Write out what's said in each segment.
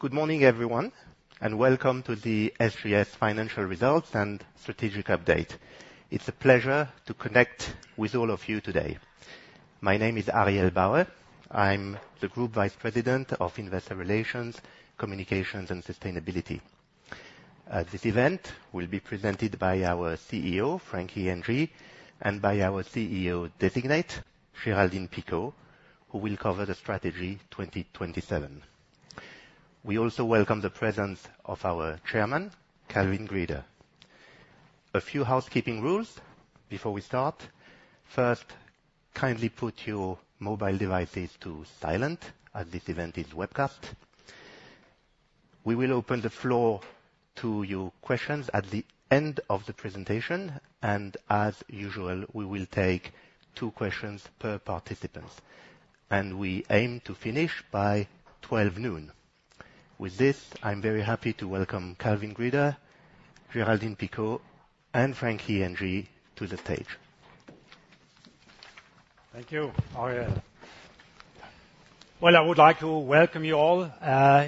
Good morning, everyone, and welcome to the SGS Financial Results and Strategic Update. It's a pleasure to connect with all of you today. My name is Ariel Bauer. I'm the Group Vice President of Investor Relations, Communications and Sustainability. This event will be presented by our CEO, Frankie Ng, and by our CEO-designate, Géraldine Picaud, who will cover the Strategy 2027. We also welcome the presence of our chairman, Calvin Grieder. A few housekeeping rules before we start. First, kindly put your mobile devices to silent, as this event is webcast. We will open the floor to your questions at the end of the presentation, and as usual, we will take two questions per participants. We aim to finish by 12 noon. With this, I'm very happy to welcome Calvin Grieder, Géraldine Picaud, and Frankie Ng to the stage. Thank you, Ariel. Well, I would like to welcome you all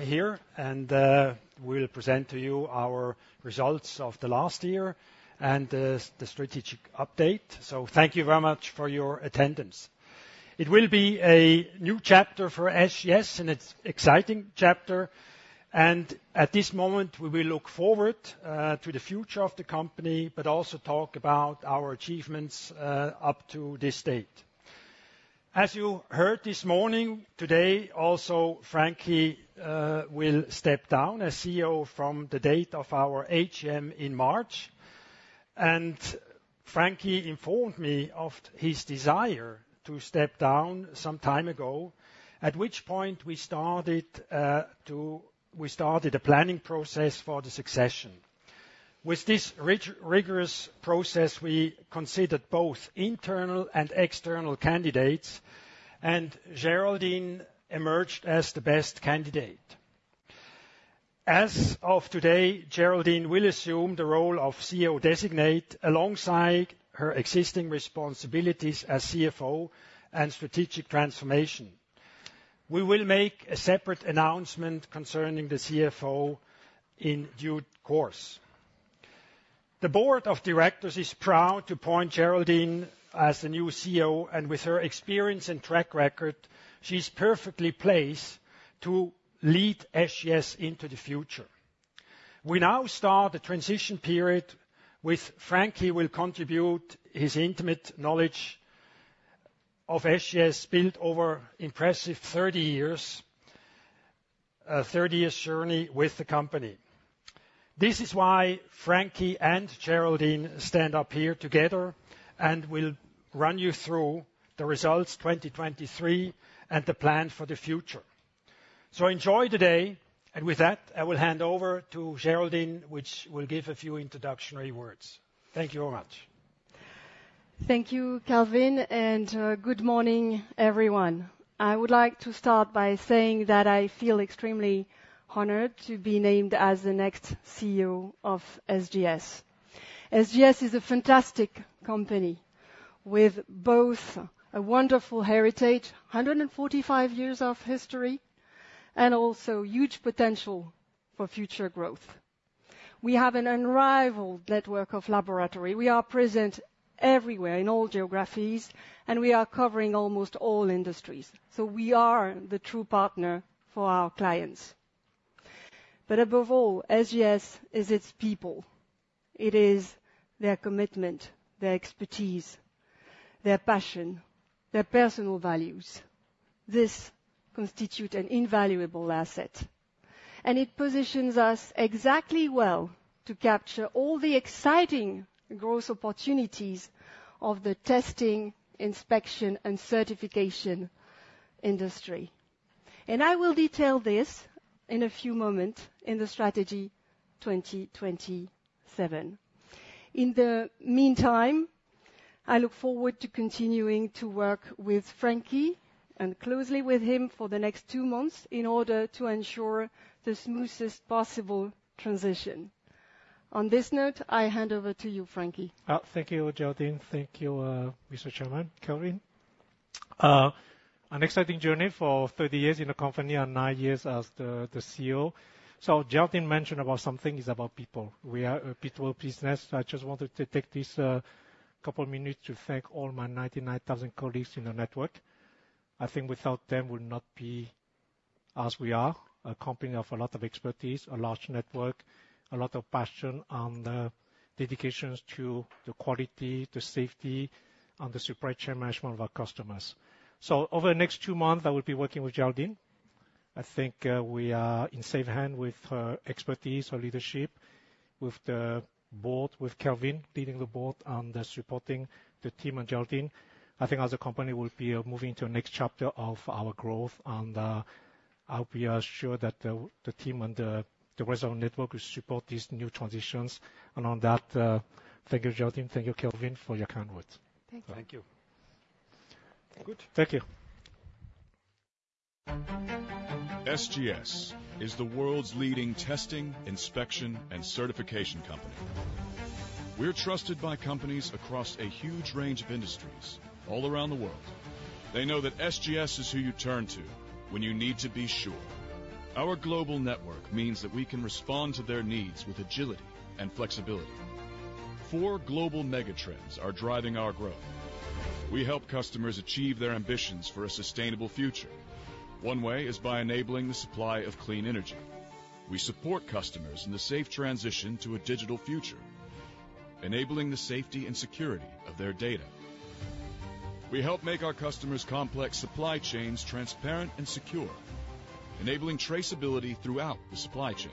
here, and we'll present to you our results of the last year and the strategic update. So thank you very much for your attendance. It will be a new chapter for SGS, and it's exciting chapter, and at this moment, we will look forward to the future of the company but also talk about our achievements up to this date. As you heard this morning, today, also, Frankie will step down as CEO from the date of our AGM in March, and Frankie informed me of his desire to step down some time ago, at which point we started a planning process for the succession. With this rigorous process, we considered both internal and external candidates, and Géraldine emerged as the best candidate. As of today, Géraldine will assume the role of CEO-designate, alongside her existing responsibilities as CFO and strategic transformation. We will make a separate announcement concerning the CFO in due course. The board of directors is proud to appoint Géraldine as the new CEO, and with her experience and track record, she's perfectly placed to lead SGS into the future. We now start the transition period with Frankie will contribute his intimate knowledge of SGS, built over impressive 30 years, 30 years journey with the company. This is why Frankie and Géraldine stand up here together and will run you through the results 2023 and the plan for the future. So enjoy the day, and with that, I will hand over to Géraldine, which will give a few introductory words. Thank you very much. Thank you, Calvin, and good morning, everyone. I would like to start by saying that I feel extremely honored to be named as the next CEO of SGS. SGS is a fantastic company with both a wonderful heritage, 145 years of history, and also huge potential for future growth. We have an unrivaled network of laboratory. We are present everywhere, in all geographies, and we are covering almost all industries, so we are the true partner for our clients. But above all, SGS is its people. It is their commitment, their expertise, their passion, their personal values. This constitute an invaluable asset, and it positions us exactly well to capture all the exciting growth opportunities of the testing, inspection, and certification industry, and I will detail this in a few moment in the Strategy 2027. In the meantime, I look forward to continuing to work with Frankie and closely with him for the next two months in order to ensure the smoothest possible transition. On this note, I hand over to you, Frankie. Thank you, Géraldine. Thank you, Mr. Chairman, Calvin. An exciting journey for 30 years in the company and 9 years as the, the CEO. So Géraldine mentioned about some things about people. We are a people business. I just wanted to take this couple of minutes to thank all my 99,000 colleagues in the network. I think without them, we would not be as we are, a company of a lot of expertise, a large network, a lot of passion and dedications to the quality, the safety, and the supply chain management of our customers. So over the next 2 months, I will be working with Géraldine. I think we are in safe hand with her expertise, her leadership, with the board, with Calvin leading the board and supporting the team and Géraldine. I think as a company, we'll be moving to a next chapter of our growth, and I hope we are sure that the team and the rest of our network will support these new transitions. And on that, thank you, Géraldine. Thank you, Calvin, for your kind words. Thank you. Thank you. Thank you. Good. Thank you. SGS is the world's leading testing, inspection, and certification company. We're trusted by companies across a huge range of industries all around the world. They know that SGS is who you turn to when you need to be sure. Our global network means that we can respond to their needs with agility and flexibility…. Four global mega trends are driving our growth. We help customers achieve their ambitions for a sustainable future. One way is by enabling the supply of clean energy. We support customers in the safe transition to a digital future, enabling the safety and security of their data. We help make our customers' complex supply chains transparent and secure, enabling traceability throughout the supply chain.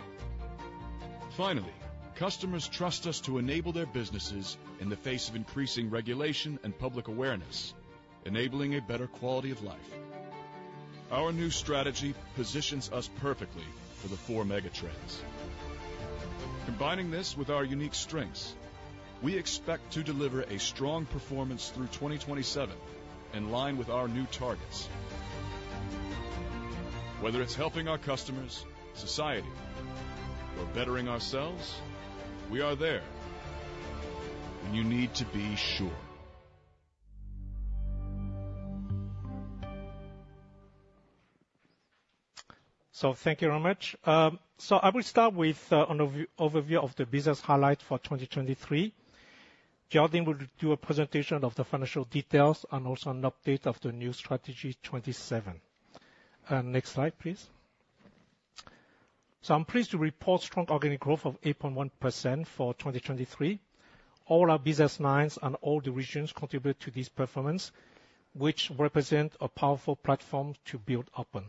Finally, customers trust us to enable their businesses in the face of increasing regulation and public awareness, enabling a better quality of life. Our new strategy positions us perfectly for the four mega trends. Combining this with our unique strengths, we expect to deliver a strong performance through 2027, in line with our new targets. Whether it's helping our customers, society, or bettering ourselves, we are there when you need to be sure. So thank you very much. So I will start with an overview of the business highlights for 2023. Géraldine will do a presentation of the financial details and also an update of the new strategy 27. Next slide, please. So I'm pleased to report strong organic growth of 8.1% for 2023. All our business lines and all the regions contribute to this performance, which represent a powerful platform to build upon.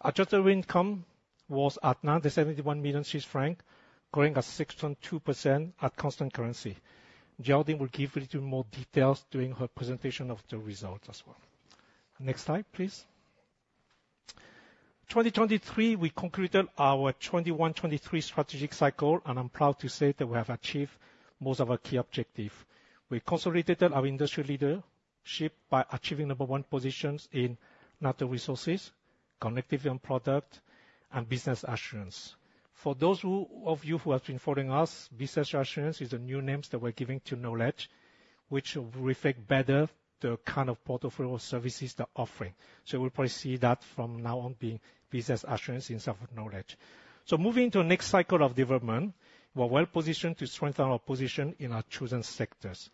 Adjusted income was at 971 million Swiss francs, growing at 6.2% at constant currency. Géraldine will give a little more details during her presentation of the results as well. Next slide, please. 2023, we concluded our 21-23 strategic cycle, and I'm proud to say that we have achieved most of our key objectives. We consolidated our industry leadership by achieving number one positions in Natural Resources, Connectivity and Product, and Business Assurance. For those of you who have been following us, Business Assurance is the new name that we're giving to knowledge, which will reflect better the kind of portfolio services they're offering. So we'll probably see that from now on, being Business Assurance instead of knowledge. So moving to the next cycle of development, we're well positioned to strengthen our position in our chosen sectors.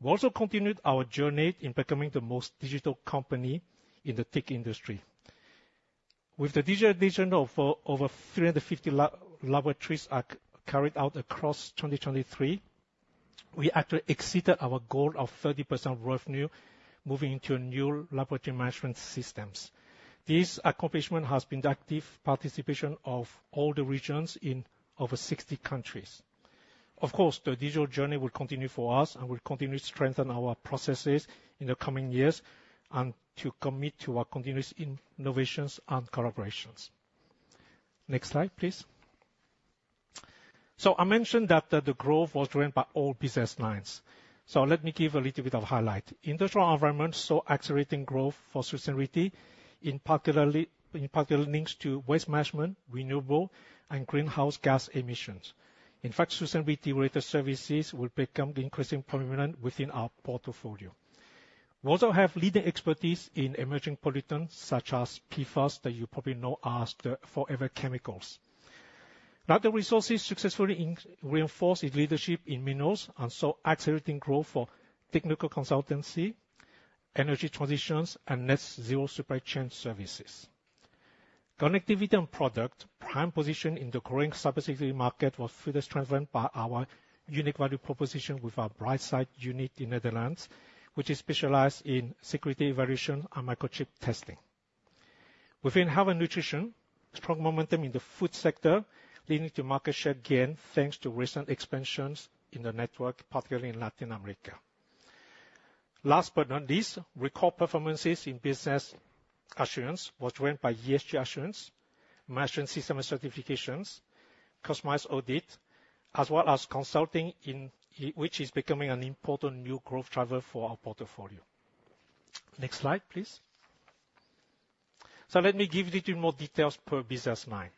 We also continued our journey in becoming the most digital company in the TIC industry. With the digital addition of over 350 laboratories carried out across 2023, we actually exceeded our goal of 30% revenue, moving into a new laboratory management systems. This accomplishment has been the active participation of all the regions in over 60 countries. Of course, the digital journey will continue for us, and we'll continue to strengthen our processes in the coming years and to commit to our continuous innovations and collaborations. Next slide, please. I mentioned that the growth was driven by all business lines. Let me give a little bit of highlight. Industries and Environment saw accelerating growth for sustainability, in particular links to waste management, renewable and greenhouse gas emissions. In fact, sustainability-related services will become increasingly prominent within our portfolio. We also have leading expertise in emerging pollutants, such as PFAS, that you probably know as the forever chemicals. Now, Natural Resources successfully reinforced its leadership in minerals and saw accelerating growth for technical consultancy, energy transitions, and net zero supply chain services. Connectivity and Product, prime position in the growing cybersecurity market, was further strengthened by our unique value proposition with our Brightsight unit in Netherlands, which is specialized in security evaluation and microchip testing. Within Health and Nutrition, strong momentum in the food sector, leading to market share gain, thanks to recent expansions in the network, particularly in Latin America. Last but not least, record performances in Business Assurance was driven by ESG assurance, management system certifications, customized audit, as well as consulting in which is becoming an important new growth driver for our portfolio. Next slide, please. So let me give you little more details per business line.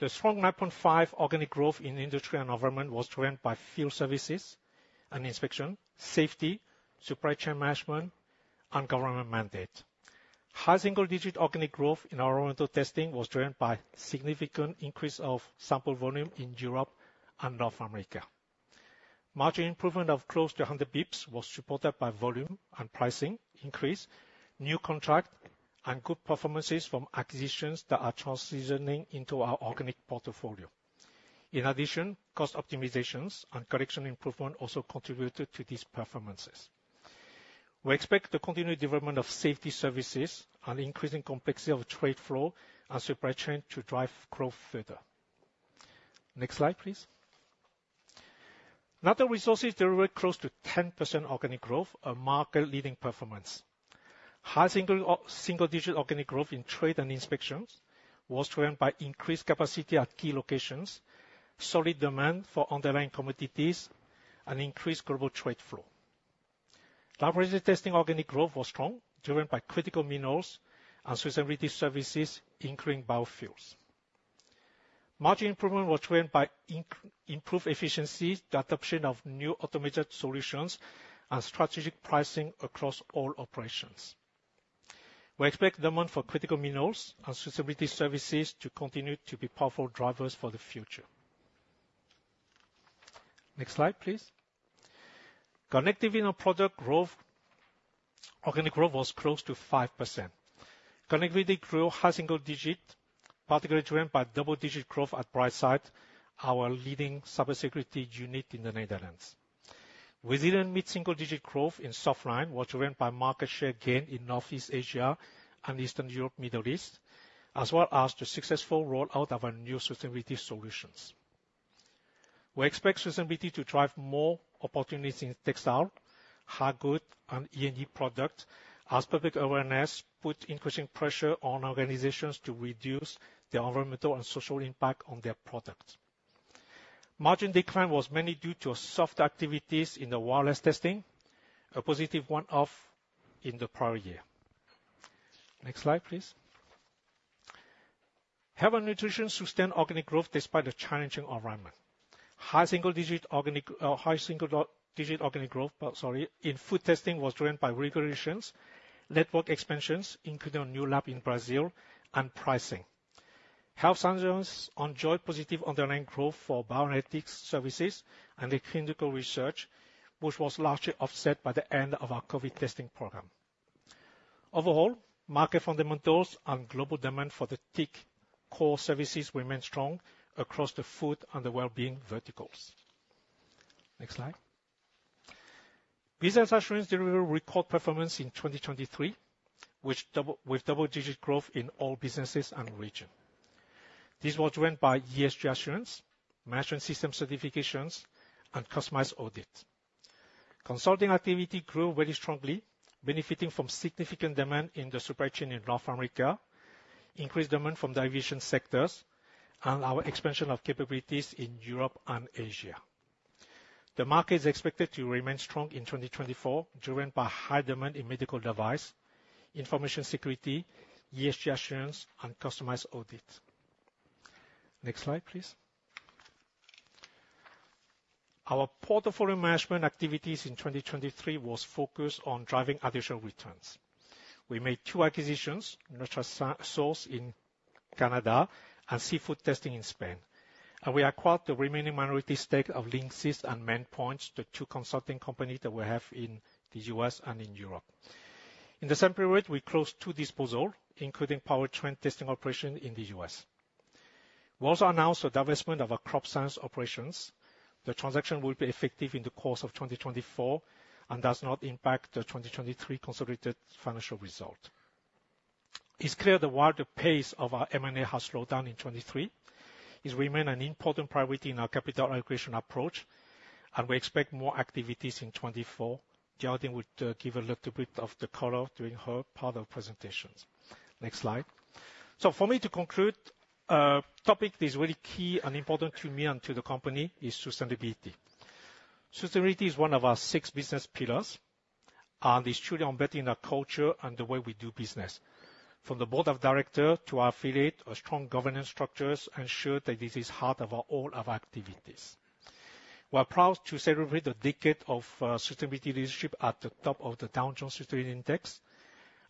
The strong 9.5 organic growth in Industries and Environment was driven by field services and inspection, safety, supply chain management, and government mandate. High single-digit organic growth in our environmental testing was driven by significant increase of sample volume in Europe and North America. Margin improvement of close to 100 basis points was supported by volume and pricing increase, new contract, and good performances from acquisitions that are transitioning into our organic portfolio. In addition, cost optimizations and collection improvement also contributed to these performances. We expect the continued development of safety services and increasing complexity of trade flow and supply chain to drive growth further. Next slide, please. Another resource is deliver close to 10% organic growth, a market-leading performance. High single-digit organic growth in trade and inspections was driven by increased capacity at key locations, solid demand for underlying commodities, and increased global trade flow. Laboratory testing organic growth was strong, driven by critical minerals and sustainability services, including biofuels. Margin improvement was driven by improved efficiency, the adoption of new automated solutions, and strategic pricing across all operations. We expect demand for critical minerals and sustainability services to continue to be powerful drivers for the future. Next slide, please. Connectivity and Product growth, organic growth was close to 5%. Connectivity grew high single-digit, particularly driven by double-digit growth at Brightsight, our leading cybersecurity unit in the Netherlands. We didn't meet single-digit growth in softlines, which were driven by market share gain in Northeast Asia and Eastern Europe, Middle East, as well as the successful rollout of our new sustainability solutions. We expect sustainability to drive more opportunities in textile, hard good, and E&E product, as public awareness put increasing pressure on organizations to reduce the environmental and social impact on their products. Margin decline was mainly due to soft activities in the wireless testing, a positive one-off in the prior year. Next slide, please. Health and nutrition sustained organic growth despite the challenging environment. High single-digit organic growth, sorry, in food testing, was driven by regulations, network expansions, including a new lab in Brazil and pricing. Health solutions enjoyed positive underlying growth for bioanalytics services and the clinical research, which was largely offset by the end of our COVID testing program. Overall, market fundamentals and global demand for the TIC core services remained strong across the food and the well-being verticals. Next slide. Business assurance delivered record performance in 2023, with double-digit growth in all businesses and regions. This was driven by ESG assurance, management system certifications, and customized audits. Consulting activity grew very strongly, benefiting from significant demand in the supply chain in North America, increased demand from division sectors, and our expansion of capabilities in Europe and Asia. The market is expected to remain strong in 2024, driven by high demand in medical device, information security, ESG assurance, and customized audit. Next slide, please. Our portfolio management activities in 2023 was focused on driving additional returns. We made two acquisitions, Nutrasource in Canada and Seafood Testing in Spain, and we acquired the remaining minority stake of Leansis and Maine Pointe, the two consulting companies that we have in the U.S. and in Europe. In the same period, we closed two disposals, including powertrain testing operation in the U.S. We also announced the divestment of our crop science operations. The transaction will be effective in the course of 2024 and does not impact the 2023 consolidated financial result. It's clear that while the pace of our M&A has slowed down in 2023, it remain an important priority in our capital allocation approach, and we expect more activities in 2024. Géraldine would give a little bit of the color during her part of presentations. Next slide. So for me to conclude, a topic that is really key and important to me and to the company is sustainability. Sustainability is one of our six business pillars, and it's truly embedded in our culture and the way we do business. From the board of director, to our affiliate, our strong governance structures ensure that this is heart of all our activities. We are proud to celebrate a decade of sustainability leadership at the top of the Dow Jones Sustainability Index.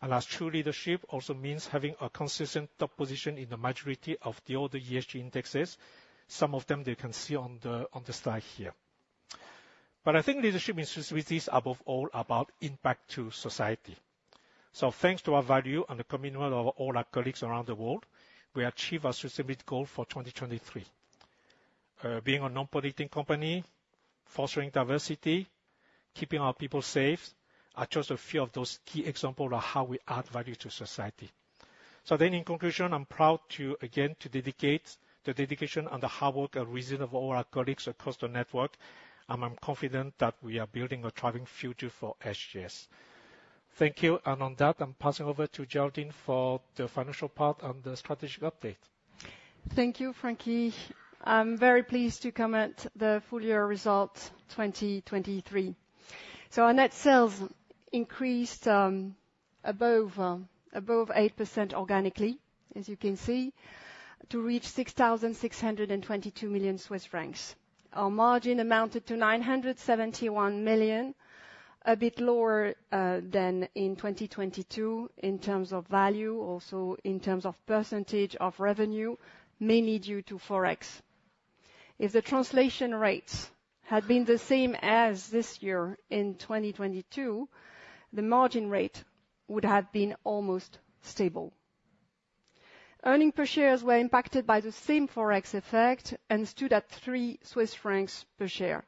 As true leadership also means having a consistent top position in the majority of the other ESG indexes. Some of them they can see on the slide here. But I think leadership in sustainability is, above all, about impact to society. So thanks to our value and the commitment of all our colleagues around the world, we achieve our sustainability goal for 2023. Being a non-politic company, fostering diversity, keeping our people safe, are just a few of those key examples of how we add value to society. So then, in conclusion, I'm proud to, again, to dedicate the dedication and the hard work and resilience of all our colleagues across the network, and I'm confident that we are building a thriving future for SGS. Thank you, and on that, I'm passing over to Géraldine for the financial part and the strategic update. Thank you, Frankie. I'm very pleased to comment the full year results, 2023. Our net sales increased above 8% organically, as you can see, to reach 6,622 million Swiss francs. Our margin amounted to 971 million, a bit lower than in 2022 in terms of value, also in terms of percentage of revenue, mainly due to Forex. If the translation rates had been the same as this year in 2022, the margin rate would have been almost stable. Earnings per share were impacted by the same Forex effect and stood at 3 Swiss francs per share.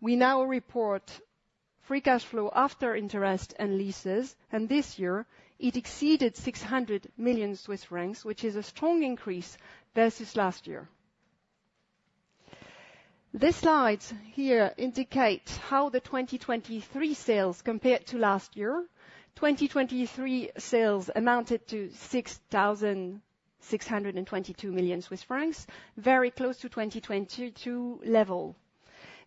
We now report free cash flow after interest and leases, and this year it exceeded 600 million Swiss francs, which is a strong increase versus last year. This slide here indicates how the 2023 sales compared to last year. 2023 sales amounted to 6,622 million Swiss francs, very close to 2022 level.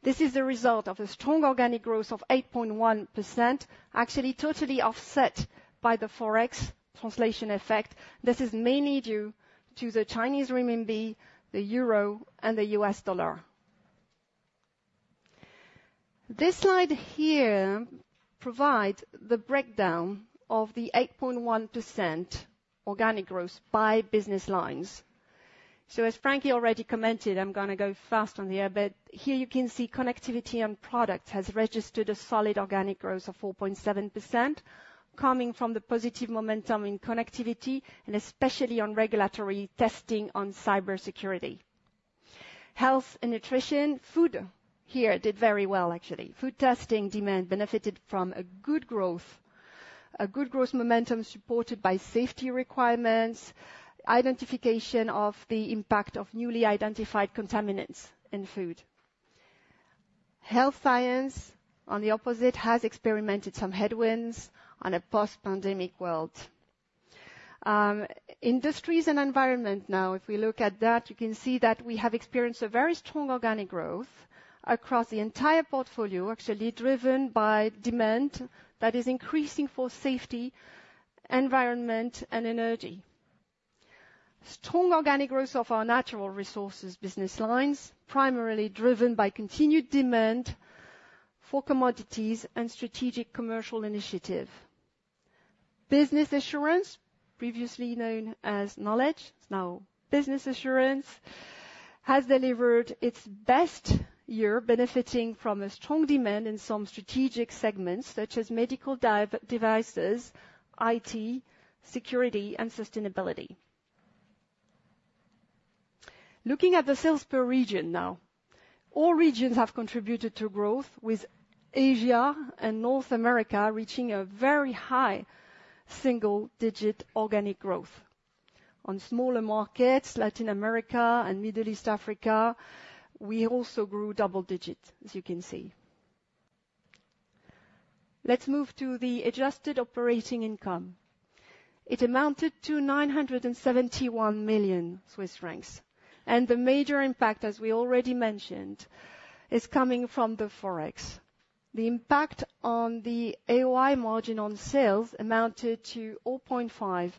This is a result of a strong organic growth of 8.1%, actually totally offset by the Forex translation effect. This is mainly due to the Chinese renminbi, the euro, and the US dollar....This slide here provide the breakdown of the 8.1% organic growth by business lines. So as Frankie already commented, I'm gonna go fast on here, but here you can see Connectivity and Product has registered a solid organic growth of 4.7%, coming from the positive momentum in connectivity and especially on regulatory testing on cybersecurity. Health and Nutrition, food here did very well, actually. Food testing demand benefited from a good growth, a good growth momentum supported by safety requirements, identification of the impact of newly identified contaminants in food. Health Science, on the opposite, has experienced some headwinds in a post-pandemic world. Industries and Environment now, if we look at that, you can see that we have experienced a very strong organic growth across the entire portfolio, actually driven by demand that is increasing for safety, environment and energy. Strong organic growth of our Natural Resources business lines, primarily driven by continued demand for commodities and strategic commercial initiative. Business Assurance, previously known as Knowledge, it's now Business Assurance, has delivered its best year benefiting from a strong demand in some strategic segments, such as medical devices, IT, security, and sustainability. Looking at the sales per region now. All regions have contributed to growth, with Asia and North America reaching a very high single-digit organic growth. On smaller markets, Latin America and Middle East, Africa, we also grew double digit, as you can see. Let's move to the adjusted operating income. It amounted to 971 million Swiss francs, and the major impact, as we already mentioned, is coming from the Forex. The impact on the AOI margin on sales amounted to 0.5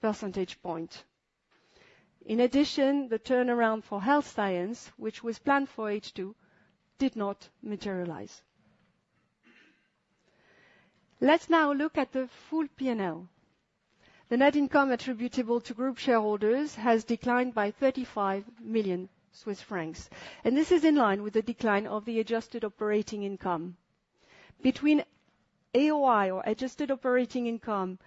percentage point. In addition, the turnaround for Health Science, which was planned for H2, did not materialize. Let's now look at the full P&L. The net income attributable to group shareholders has declined by 35 million Swiss francs, and this is in line with the decline of the adjusted operating income. Between AOI or adjusted operating income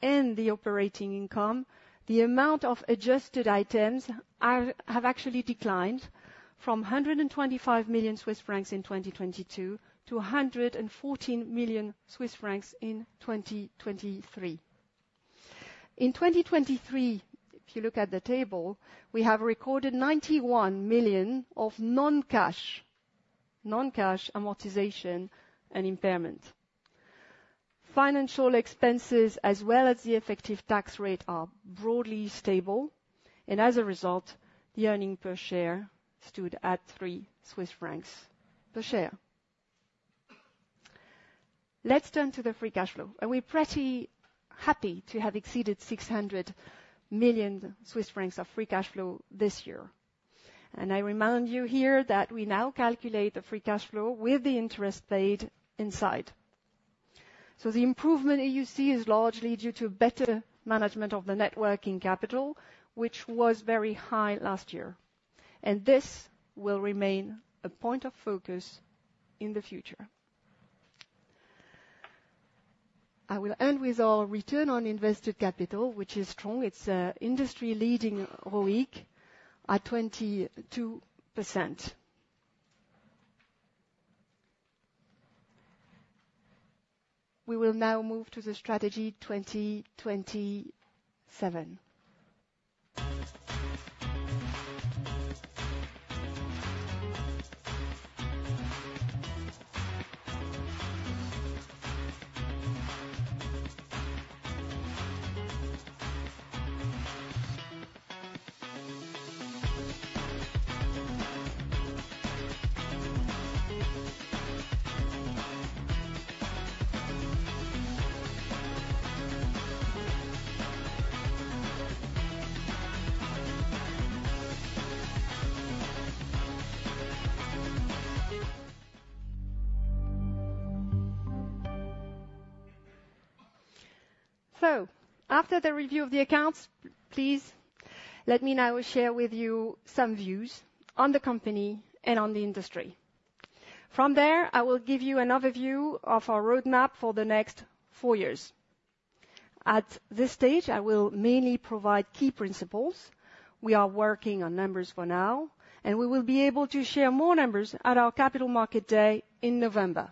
and the operating income, the amount of adjusted items are, have actually declined from 125 million Swiss francs in 2022 to 114 million Swiss francs in 2023. In 2023, if you look at the table, we have recorded 91 million of non-cash, non-cash amortization and impairment. Financial expenses, as well as the effective tax rate, are broadly stable, and as a result, the earnings per share stood at 3 Swiss francs per share. Let's turn to the free cash flow, and we're pretty happy to have exceeded 600 million Swiss francs of free cash flow this year. I remind you here that we now calculate the free cash flow with the interest paid inside. So the improvement that you see is largely due to better management of the net working capital, which was very high last year, and this will remain a point of focus in the future. I will end with our return on invested capital, which is strong. It's industry-leading ROIC at 22%. We will now move to the Strategy 2027. So after the review of the accounts, please let me now share with you some views on the company and on the industry. From there, I will give you an overview of our roadmap for the next 4 years. At this stage, I will mainly provide key principles. We are working on numbers for now, and we will be able to share more numbers at our Capital Market Day in November.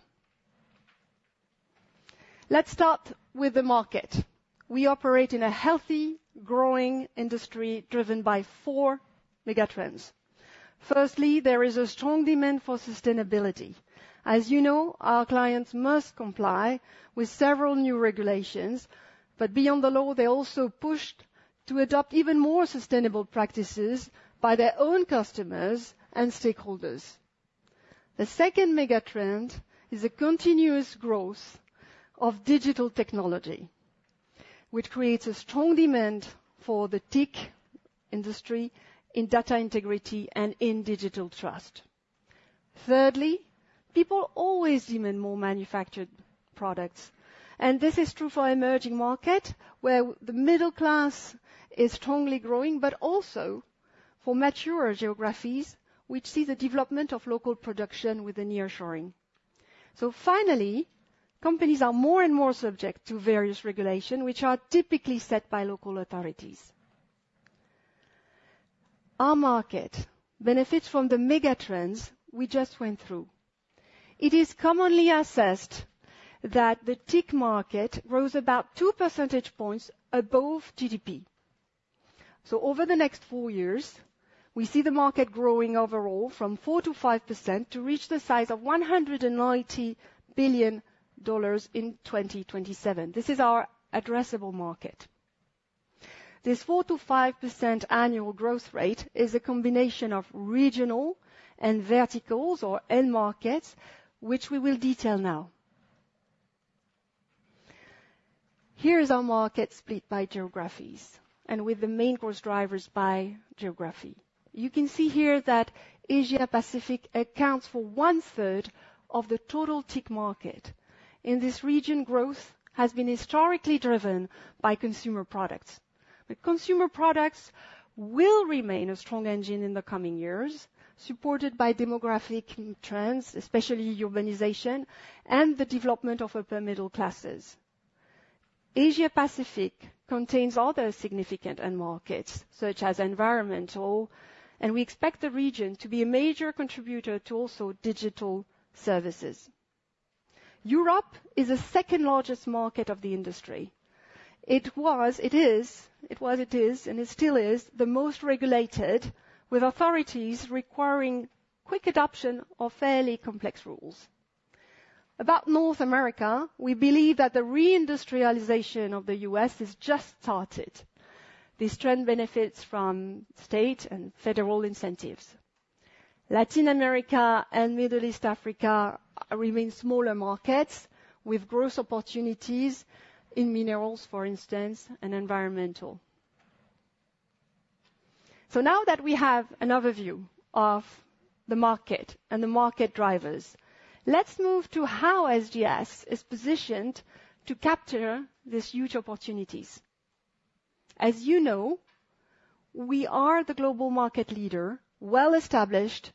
Let's start with the market. We operate in a healthy, growing industry driven by 4 megatrends. Firstly, there is a strong demand for sustainability. As you know, our clients must comply with several new regulations, but beyond the law, they're also pushed to adopt even more sustainable practices by their own customers and stakeholders. The second megatrend is the continuous growth of digital technology, which creates a strong demand for the TIC industry in data integrity and in digital trust. Thirdly, people always demand more manufactured products, and this is true for emerging market, where the middle class is strongly growing, but also for maturer geographies, which see the development of local production with the nearshoring. So finally, companies are more and more subject to various regulation, which are typically set by local authorities. Our market benefits from the mega trends we just went through. It is commonly assessed that the TIC market grows about two percentage points above GDP. So over the next 4 years, we see the market growing overall from 4%-5% to reach the size of $190 billion in 2027. This is our addressable market. This 4%-5% annual growth rate is a combination of regional and verticals, or end markets, which we will detail now. Here is our market split by geographies and with the main growth drivers by geography. You can see here that Asia Pacific accounts for one-third of the total TIC market. In this region, growth has been historically driven by consumer products. But consumer products will remain a strong engine in the coming years, supported by demographic trends, especially urbanization and the development of upper middle classes. Asia Pacific contains other significant end markets, such as environmental, and we expect the region to be a major contributor to also digital services. Europe is the second-largest market of the industry. It was, it is, and it still is the most regulated, with authorities requiring quick adoption of fairly complex rules. About North America, we believe that the reindustrialization of the U.S. has just started. This trend benefits from state and federal incentives. Latin America and Middle East Africa remain smaller markets with growth opportunities in minerals, for instance, and environmental. So now that we have an overview of the market and the market drivers, let's move to how SGS is positioned to capture these huge opportunities. As you know, we are the global market leader, well-established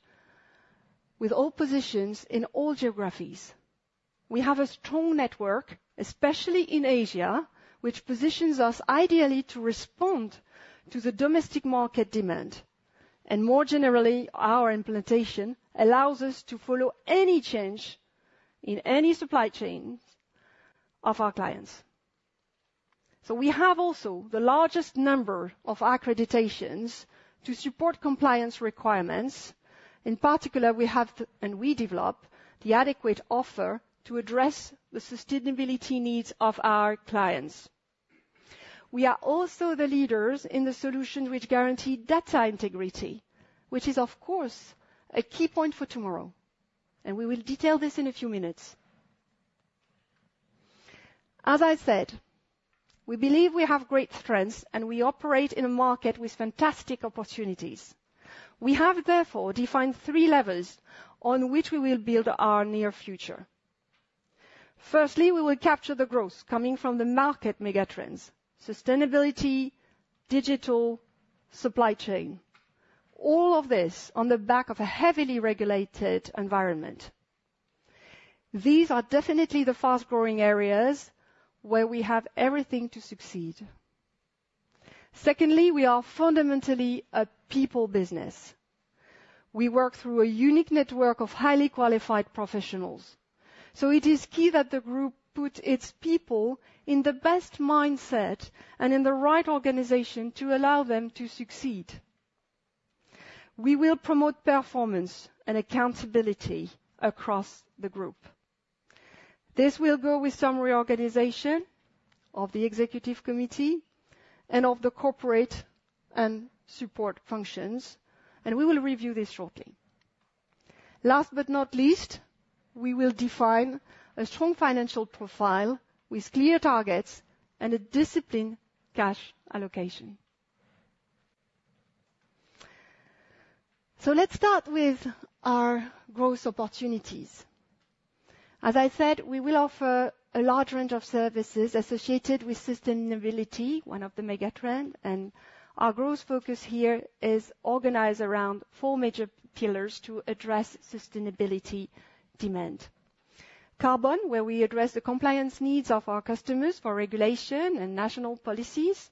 with all positions in all geographies. We have a strong network, especially in Asia, which positions us ideally to respond to the domestic market demand. More generally, our implementation allows us to follow any change in any supply chains of our clients. We have also the largest number of accreditations to support compliance requirements. In particular, we have, and we develop the adequate offer to address the sustainability needs of our clients. We are also the leaders in the solution which guarantee data integrity, which is, of course, a key point for tomorrow, and we will detail this in a few minutes. As I said, we believe we have great strengths, and we operate in a market with fantastic opportunities. We have, therefore, defined three levels on which we will build our near future. Firstly, we will capture the growth coming from the market megatrends: sustainability, digital, supply chain. All of this on the back of a heavily regulated environment. These are definitely the fast-growing areas where we have everything to succeed. Secondly, we are fundamentally a people business. We work through a unique network of highly qualified professionals. So it is key that the group put its people in the best mindset and in the right organization to allow them to succeed. We will promote performance and accountability across the group. This will go with some reorganization of the Executive Committee and of the corporate and support functions, and we will review this shortly. Last but not least, we will define a strong financial profile with clear targets and a disciplined cash allocation. So let's start with our growth opportunities. As I said, we will offer a large range of services associated with sustainability, one of the mega trend, and our growth focus here is organized around four major pillars to address sustainability demand. Carbon, where we address the compliance needs of our customers for regulation and national policies.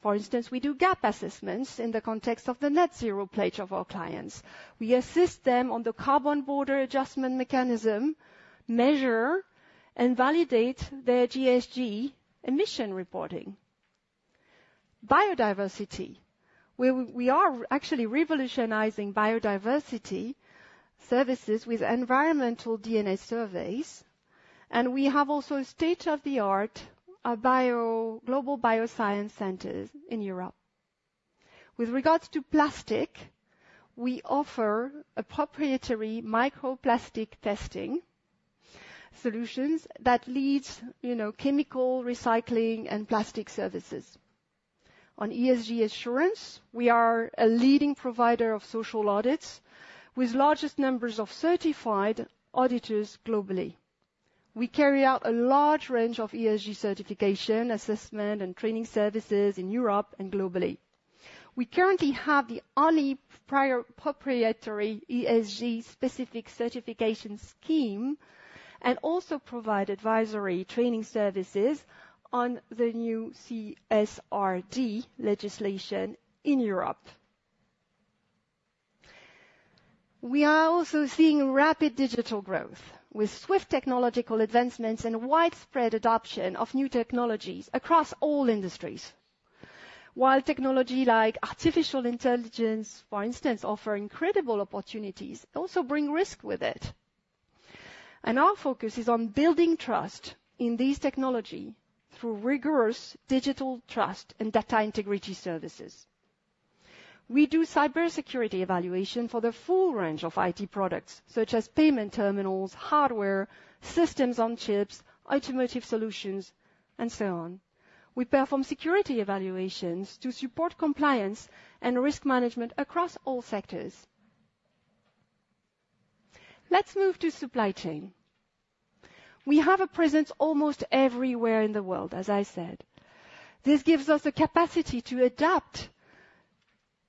For instance, we do gap assessments in the context of the net zero pledge of our clients. We assist them on the Carbon Border Adjustment Mechanism, measure and validate their ESG emission reporting. Biodiversity, where we are actually revolutionizing biodiversity services with environmental DNA surveys, and we have also state-of-the-art global bioscience centers in Europe. With regards to plastic, we offer a proprietary microplastic testing solutions that leads, you know, chemical, recycling, and plastic services. On ESG assurance, we are a leading provider of social audits with largest numbers of certified auditors globally. We carry out a large range of ESG certification, assessment, and training services in Europe and globally. We currently have the only prior proprietary ESG specific certification scheme, and also provide advisory training services on the new CSRD legislation in Europe. We are also seeing rapid digital growth, with swift technological advancements and widespread adoption of new technologies across all industries. While technology like artificial intelligence, for instance, offer incredible opportunities, also bring risk with it. Our focus is on building trust in this technology through rigorous digital trust and data integrity services. We do cybersecurity evaluation for the full range of IT products, such as payment terminals, hardware, systems on chips, automotive solutions, and so on. We perform security evaluations to support compliance and risk management across all sectors. Let's move to supply chain. We have a presence almost everywhere in the world, as I said. This gives us the capacity to adapt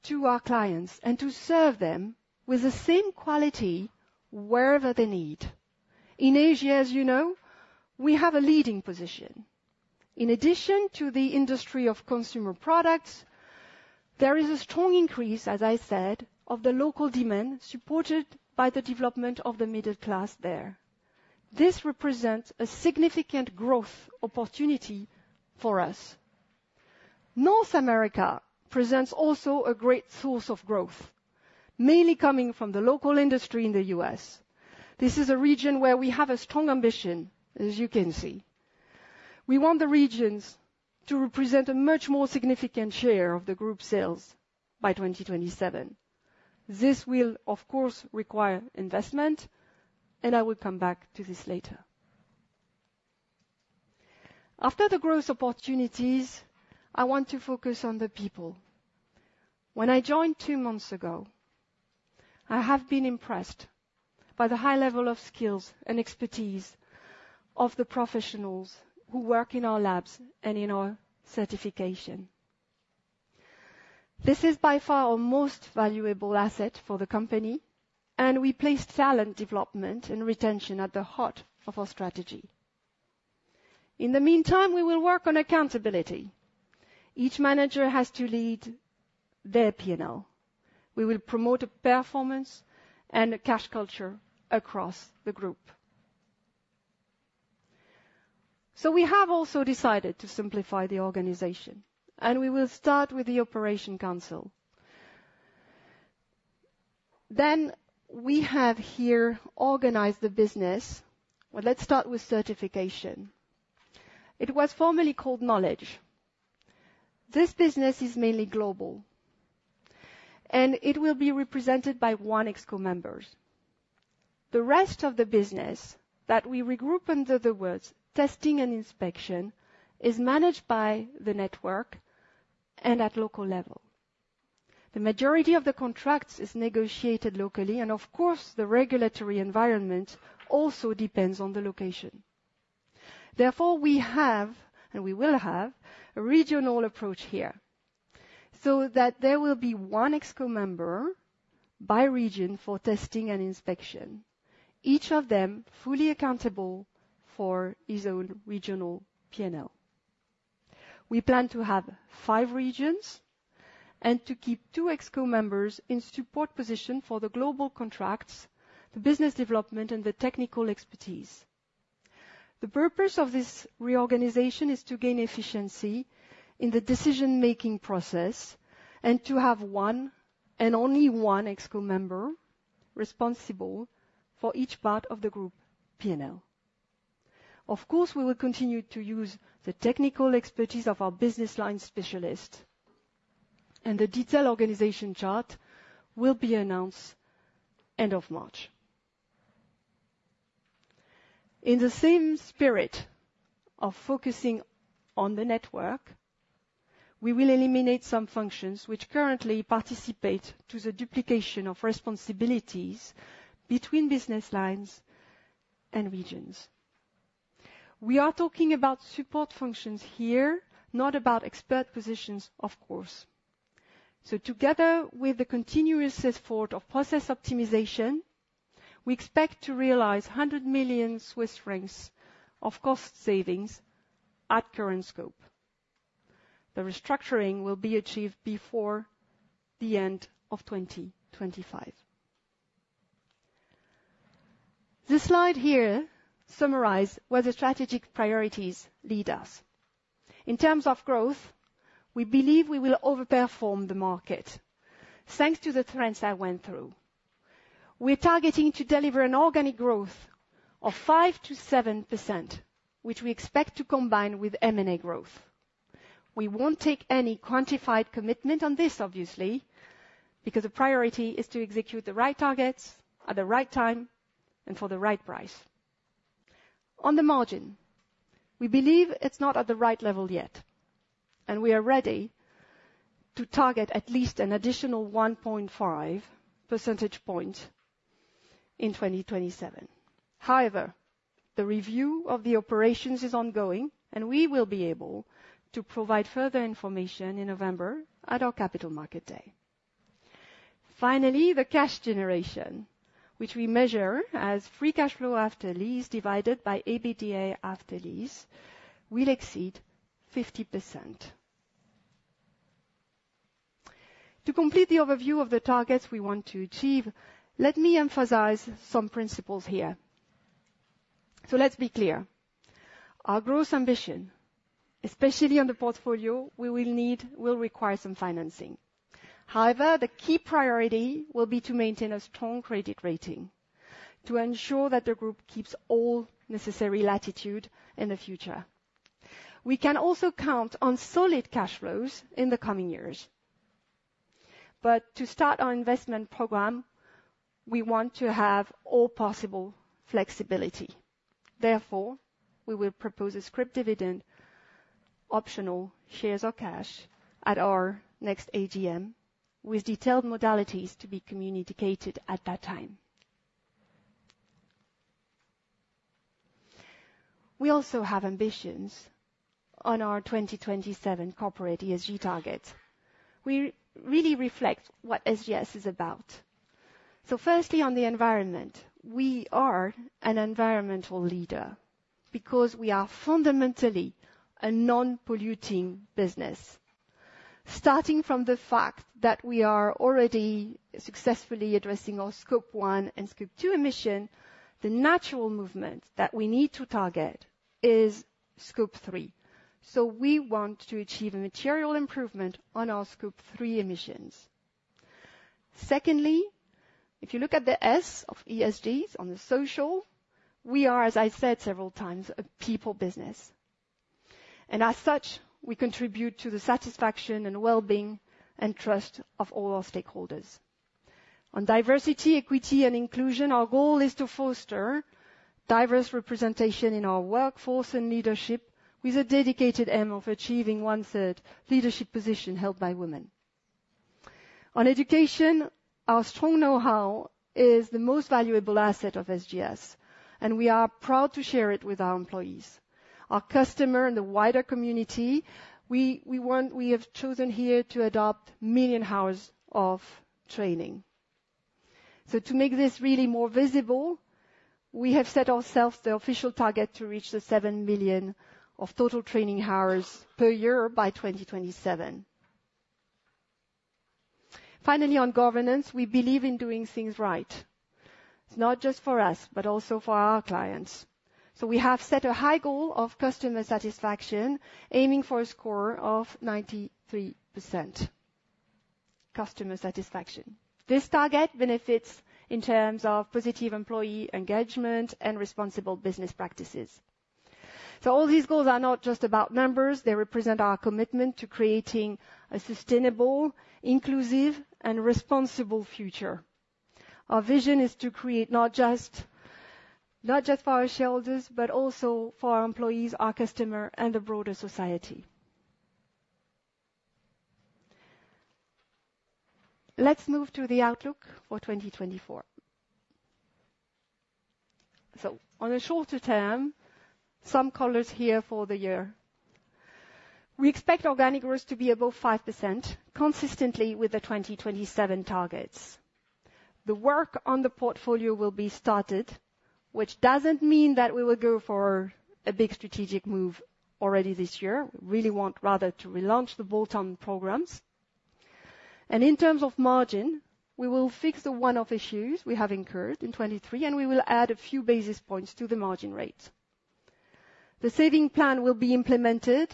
to our clients and to serve them with the same quality wherever they need. In Asia, as you know, we have a leading position. In addition to the industry of consumer products, there is a strong increase, as I said, of the local demand, supported by the development of the middle class there. This represents a significant growth opportunity for us. North America presents also a great source of growth, mainly coming from the local industry in the U.S. This is a region where we have a strong ambition, as you can see. We want the regions to represent a much more significant share of the group sales by 2027. This will, of course, require investment, and I will come back to this later. After the growth opportunities, I want to focus on the people. When I joined two months ago, I have been impressed by the high level of skills and expertise of the professionals who work in our labs and in our certification. This is by far our most valuable asset for the company, and we place talent development and retention at the heart of our strategy. In the meantime, we will work on accountability. Each manager has to lead their P&L. We will promote a performance and a cash culture across the group. We have also decided to simplify the organization, and we will start with the operation council. We have here organized the business. Well, let's start with certification. It was formerly called Knowledge. This business is mainly global, and it will be represented by one ExCo members. The rest of the business that we regroup, in other words, testing and inspection, is managed by the network and at local level. The majority of the contracts is negotiated locally, and of course, the regulatory environment also depends on the location. Therefore, we have, and we will have, a regional approach here, so that there will be one ExCo member by region for testing and inspection, each of them fully accountable for his own regional P&L. We plan to have five regions and to keep two ExCo members in support position for the global contracts, the business development, and the technical expertise. The purpose of this reorganization is to gain efficiency in the decision-making process and to have one and only one ExCo member responsible for each part of the group P&L. Of course, we will continue to use the technical expertise of our business line specialist, and the detailed organization chart will be announced end of March. In the same spirit of focusing on the network, we will eliminate some functions which currently participate to the duplication of responsibilities between business lines and regions. We are talking about support functions here, not about expert positions, of course. So together with the continuous effort of process optimization, we expect to realize 100 million Swiss francs of cost savings at current scope. The restructuring will be achieved before the end of 2025. This slide here summarize where the strategic priorities lead us. In terms of growth, we believe we will overperform the market, thanks to the trends I went through.... We're targeting to deliver an organic growth of 5%-7%, which we expect to combine with M&A growth. We won't take any quantified commitment on this, obviously, because the priority is to execute the right targets at the right time and for the right price. On the margin, we believe it's not at the right level yet, and we are ready to target at least an additional 1.5 percentage point in 2027. However, the review of the operations is ongoing, and we will be able to provide further information in November at our Capital Markets Day. Finally, the cash generation, which we measure as free cash flow after lease, divided by ABDA after lease, will exceed 50%. To complete the overview of the targets we want to achieve, let me emphasize some principles here. So let's be clear, our growth ambition, especially on the portfolio, we will need, will require some financing. However, the key priority will be to maintain a strong credit rating, to ensure that the group keeps all necessary latitude in the future. We can also count on solid cash flows in the coming years, but to start our investment program, we want to have all possible flexibility. Therefore, we will propose a scrip dividend, optional shares or cash, at our next AGM, with detailed modalities to be communicated at that time. We also have ambitions on our 2027 corporate ESG targets. We really reflect what SGS is about. So firstly, on the environment, we are an environmental leader because we are fundamentally a non-polluting business. Starting from the fact that we are already successfully addressing our Scope 1 and Scope 2 emissions, the natural movement that we need to target is Scope 3, so we want to achieve a material improvement on our Scope 3 emissions. Secondly, if you look at the S of ESG's, on the social, we are, as I said several times, a people business, and as such, we contribute to the satisfaction and well-being and trust of all our stakeholders. On diversity, equity, and inclusion, our goal is to foster diverse representation in our workforce and leadership with a dedicated aim of achieving one-third leadership position held by women. On education, our strong know-how is the most valuable asset of SGS, and we are proud to share it with our employees. Our customer and the wider community, we want—we have chosen here to adopt million hours of training. So to make this really more visible, we have set ourselves the official target to reach the 7 million total training hours per year by 2027. Finally, on governance, we believe in doing things right. It's not just for us, but also for our clients. So we have set a high goal of customer satisfaction, aiming for a score of 93% customer satisfaction. This target benefits in terms of positive employee engagement and responsible business practices. So all these goals are not just about numbers, they represent our commitment to creating a sustainable, inclusive and responsible future. Our vision is to create not just, not just for our shareholders, but also for our employees, our customer, and the broader society. Let's move to the outlook for 2024. So on the shorter term, some colors here for the year. We expect organic growth to be above 5%, consistent with the 2027 targets. The work on the portfolio will be started, which doesn't mean that we will go for a big strategic move already this year. We really want rather to relaunch the bolt-on programs. In terms of margin, we will fix the one-off issues we have incurred in 2023, and we will add a few basis points to the margin rate. The saving plan will be implemented,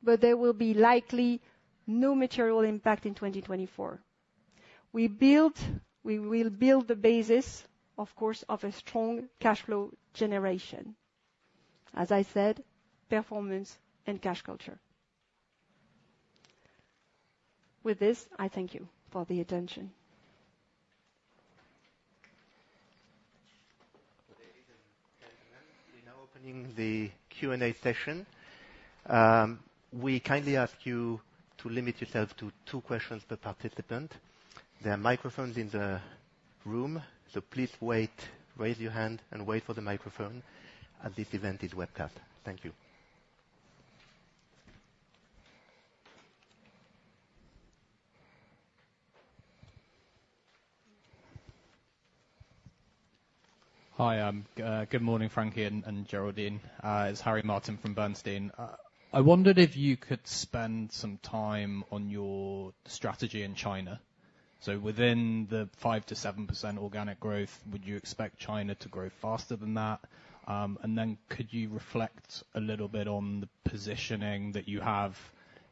but there will be likely no material impact in 2024. We build, we will build the basis, of course, of a strong cash flow generation. As I said, performance and cash culture. With this, I thank you for the attention. Ladies and gentlemen, we're now opening the Q&A session. We kindly ask you to limit yourself to two questions per participant. There are microphones in the room, so please wait, raise your hand, and wait for the microphone, as this event is webcast. Thank you. Hi, good morning, Frankie and Geraldine. It's Harry Martin from Bernstein. I wondered if you could spend some time on your strategy in China. So within the 5%-7% organic growth, would you expect China to grow faster than that? And then could you reflect a little bit on the positioning that you have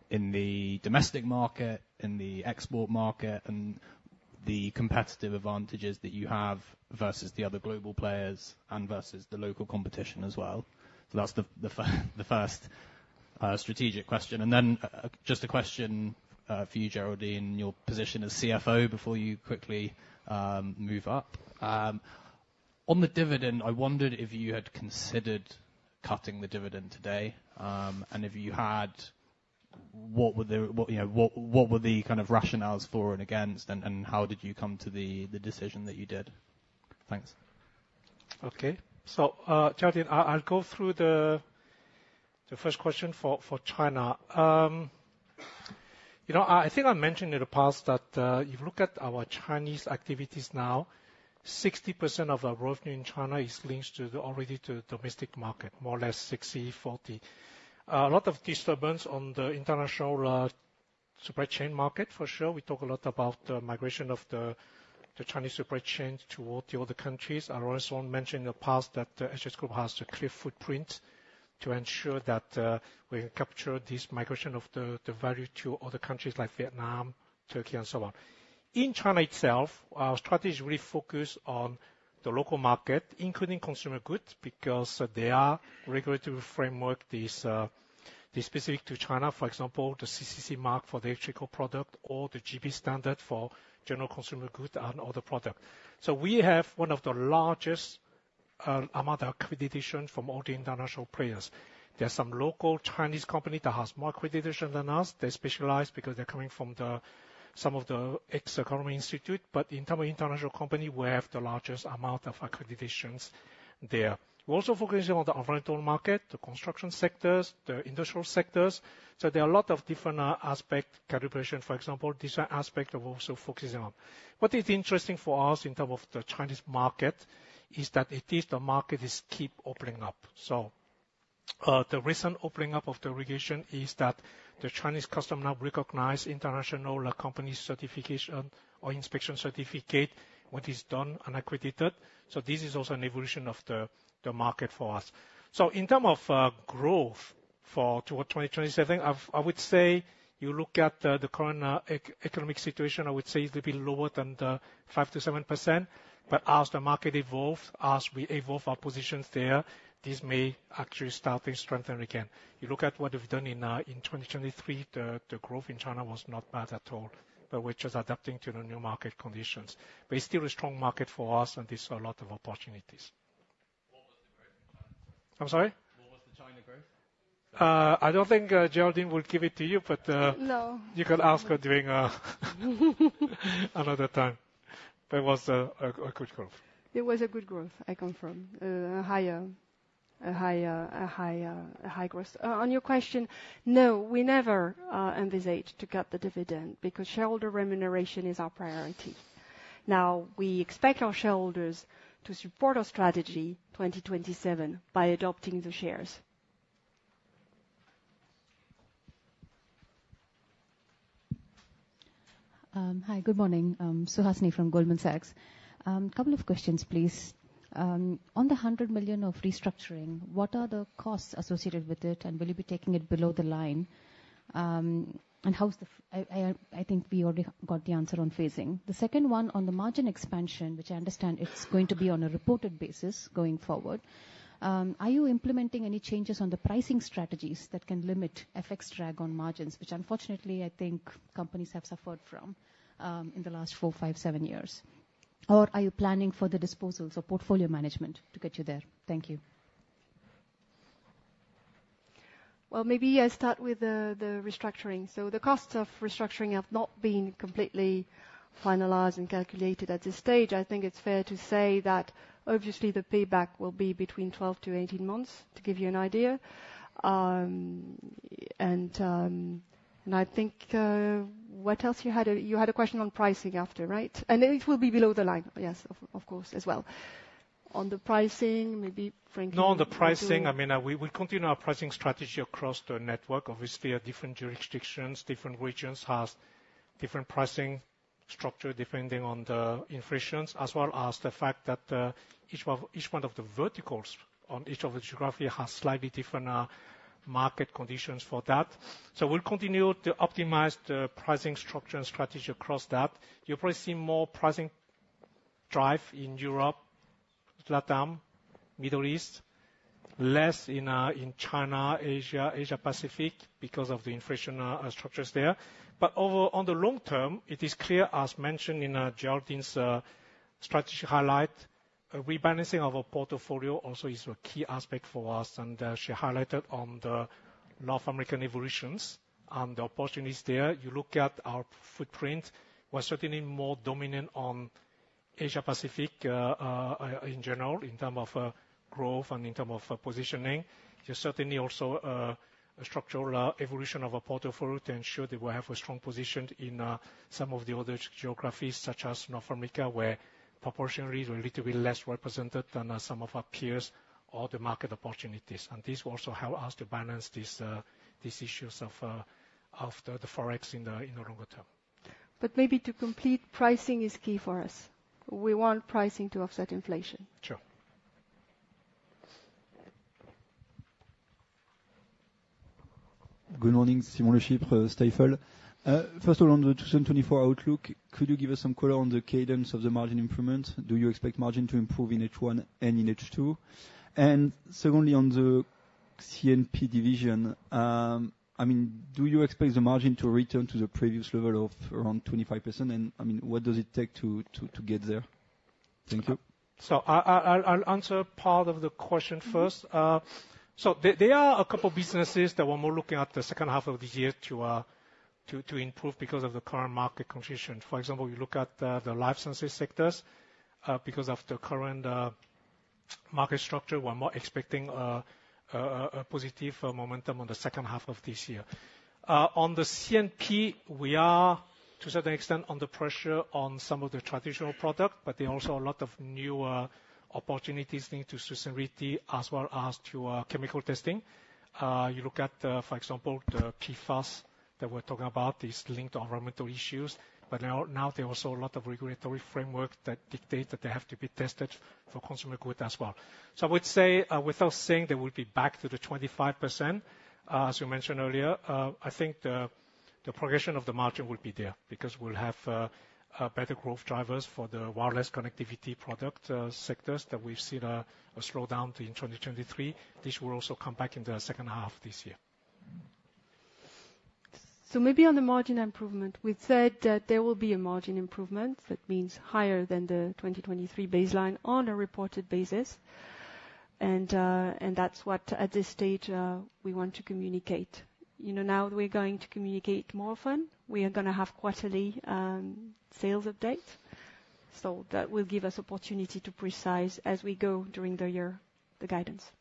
in the domestic market, in the export market, and the competitive advantages that you have versus the other global players and versus the local competition as well? So that's the first strategic question. And then, just a question for you, Géraldine, your position as CFO, before you quickly move up. On the dividend, I wondered if you had considered cutting the dividend today, and if you had, what, you know, what were the kind of rationales for and against, and how did you come to the decision that you did? Thanks. Okay. So, Géraldine, I'll go through the first question for China. You know, I think I mentioned in the past that if you look at our Chinese activities now, 60% of our revenue in China is linked to the already to domestic market, more or less 60/40. A lot of disturbance on the international supply chain market, for sure. We talk a lot about the migration of the Chinese supply chain to all the other countries. I also mentioned in the past that SGS has a clear footprint to ensure that we capture this migration of the value to other countries like Vietnam, Turkey, and so on. In China itself, our strategy really focus on the local market, including consumer goods, because there are regulatory framework this, this specific to China, for example, the CCC mark for the electrical product or the GB standard for general consumer goods and other product. So we have one of the largest, amount of accreditation from all the international players. There are some local Chinese company that has more accreditation than us. They specialize because they're coming from the, some of the ex economy institute, but in terms of international company, we have the largest amount of accreditations there. We're also focusing on the oriental market, the construction sectors, the industrial sectors. So there are a lot of different, aspect, calibration, for example, different aspect of also focusing on. What is interesting for us in term of the Chinese market is that at least the market is keep opening up. So, the recent opening up of the regulation is that the Chinese customer now recognize international, company certification or inspection certificate, what is done and accredited. So this is also an evolution of the, the market for us. So in term of, growth toward 2027, I would say you look at, the current economic situation, I would say it's a bit lower than the 5%-7%. But as the market evolve, as we evolve our positions there, this may actually start to strengthen again. You look at what we've done in, in 2023, the, the growth in China was not bad at all, but we're just adapting to the new market conditions. It's still a strong market for us, and there's a lot of opportunities. What was the growth in China? I'm sorry? What was the China growth? I don't think Geraldine will give it to you, but No. You can ask her during another time. But it was a good growth. It was a good growth, I confirm. A higher growth. On your question, no, we never envisage to cut the dividend, because shareholder remuneration is our priority. Now, we expect our shareholders to support our strategy 2027 by adopting the shares. Hi, good morning. Suhasini from Goldman Sachs. Couple of questions, please. On the 100 million of restructuring, what are the costs associated with it, and will you be taking it below the line? And I think we already got the answer on phasing. The second one, on the margin expansion, which I understand it's going to be on a reported basis going forward, are you implementing any changes on the pricing strategies that can limit FX drag on margins, which unfortunately, I think companies have suffered from, in the last four, five, seven years? Or are you planning for the disposals or portfolio management to get you there? Thank you. Well, maybe I start with the restructuring. So the costs of restructuring have not been completely finalized and calculated at this stage. I think it's fair to say that obviously, the payback will be between 12-18 months, to give you an idea. And I think, what else? You had a question on pricing after, right? And it will be below the line. Yes, of course, as well. On the pricing, maybe Frankie- On the pricing, I mean, we continue our pricing strategy across the network. Obviously, different jurisdictions, different regions has different pricing structure, depending on the inflations, as well as the fact that, each one of the verticals on each of the geography has slightly different, market conditions for that. So we'll continue to optimize the pricing structure and strategy across that. You'll probably see more pricing drive in Europe, Latin, Middle East, less in China, Asia, Asia Pacific, because of the inflation, structures there. But over on the long term, it is clear, as mentioned in Géraldine's strategy highlight, rebalancing of a portfolio also is a key aspect for us. And, she highlighted on the North American evolutions and the opportunities there. You look at our footprint, we're certainly more dominant on Asia Pacific, in general, in term of growth and in term of positioning. There's certainly also a structural evolution of a portfolio to ensure that we have a strong position in some of the other geographies, such as North America, where proportionally we're a little bit less represented than some of our peers or the market opportunities. This will also help us to balance these issues of the Forex in the longer term. But maybe to complete, pricing is key for us. We want pricing to offset inflation. Sure. Good morning, Simon Schipp, Stifel. First of all, on the 2024 outlook, could you give us some color on the cadence of the margin improvement? Do you expect margin to improve in H1 and in H2? And secondly, on the CNP division, I mean, do you expect the margin to return to the previous level of around 25%? And, I mean, what does it take to get there? Thank you. So I'll answer part of the question first. So there are a couple of businesses that we're more looking at the second half of the year to improve because of the current market conditions. For example, you look at the life sciences sectors because of the current market structure, we're more expecting a positive momentum on the second half of this year. On the CNP, we are, to a certain extent, under pressure on some of the traditional product, but there are also a lot of new opportunities into sustainability as well as to chemical testing. You look at, for example, the PFAS that we're talking about is linked to environmental issues. But now, now there are also a lot of regulatory framework that dictate that they have to be tested for consumer good as well. So I would say, without saying they will be back to the 25%, as you mentioned earlier, I think the, the progression of the margin will be there because we'll have, a better growth drivers for the wireless connectivity product, sectors that we've seen a, a slowdown in 2023. This will also come back in the second half of this year. So maybe on the margin improvement, we said that there will be a margin improvement. That means higher than the 2023 baseline on a reported basis. And that's what, at this stage, we want to communicate. You know, now we're going to communicate more often. We are gonna have quarterly sales update, so that will give us opportunity to precise as we go during the year, the guidance.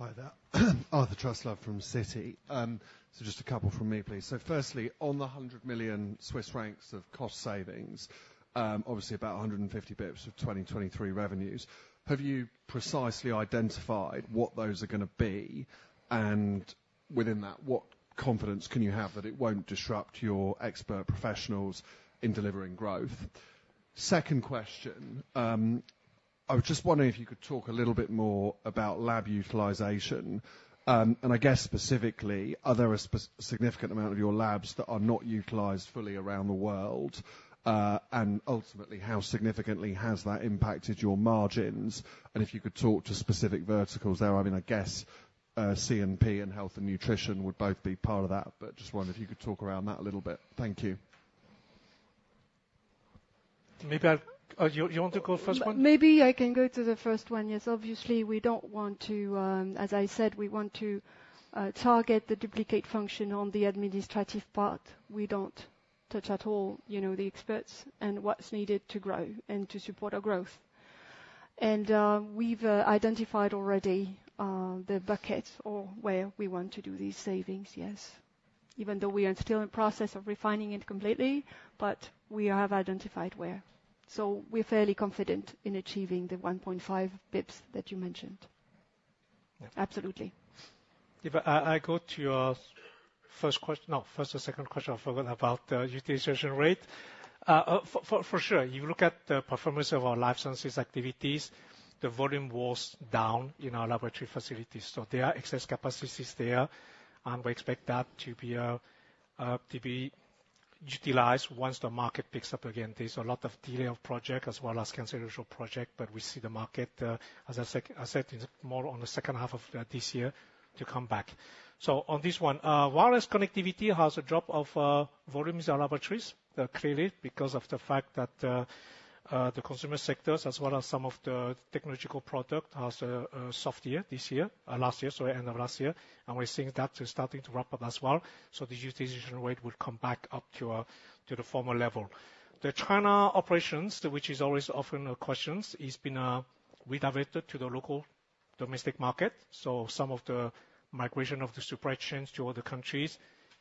Hi there. Arthur Truslove from Citi. So just a couple from me, please. So firstly, on the 100 million Swiss francs of cost savings, obviously about 150 basis points of 2023 revenues, have you precisely identified what those are gonna be? And within that, what confidence can you have that it won't disrupt your expert professionals in delivering growth? Second question, I was just wondering if you could talk a little bit more about lab utilization, and I guess specifically, are there a significant amount of your labs that are not utilized fully around the world? And ultimately, how significantly has that impacted your margins? If you could talk to specific verticals there, I mean, I guess, CNP and Health and Nutrition would both be part of that, but just wonder if you could talk around that a little bit. Thank you. Maybe I... you want to go first one? Maybe I can go to the first one. Yes, obviously, we don't want to... As I said, we want to target the duplicate function on the administrative part. We don't touch at all, you know, the experts and what's needed to grow and to support our growth. And we've identified already the buckets or where we want to do these savings. Yes. Even though we are still in process of refining it completely, but we have identified where. So we're fairly confident in achieving the 1.5 basis points that you mentioned. Yeah. Absolutely. If I go to your first question—no, first or second question, I forgot about the utilization rate. For sure. You look at the performance of our life sciences activities, the volume was down in our laboratory facilities, so there are excess capacities there, and we expect that to be utilized once the market picks up again. There's a lot of delay of project as well as cancellation project, but we see the market, as I said, more on the second half of this year to come back. So on this one, wireless connectivity has a drop of volumes in laboratories, clearly because of the fact that the consumer sectors as well as some of the technological product has a soft year this year, last year, so end of last year, and we're seeing that starting to wrap up as well. So the utilization rate will come back up to the former level. The China operations, which is always often questions, is been rediverted to the local domestic market. So some of the migration of the supply chains to other countries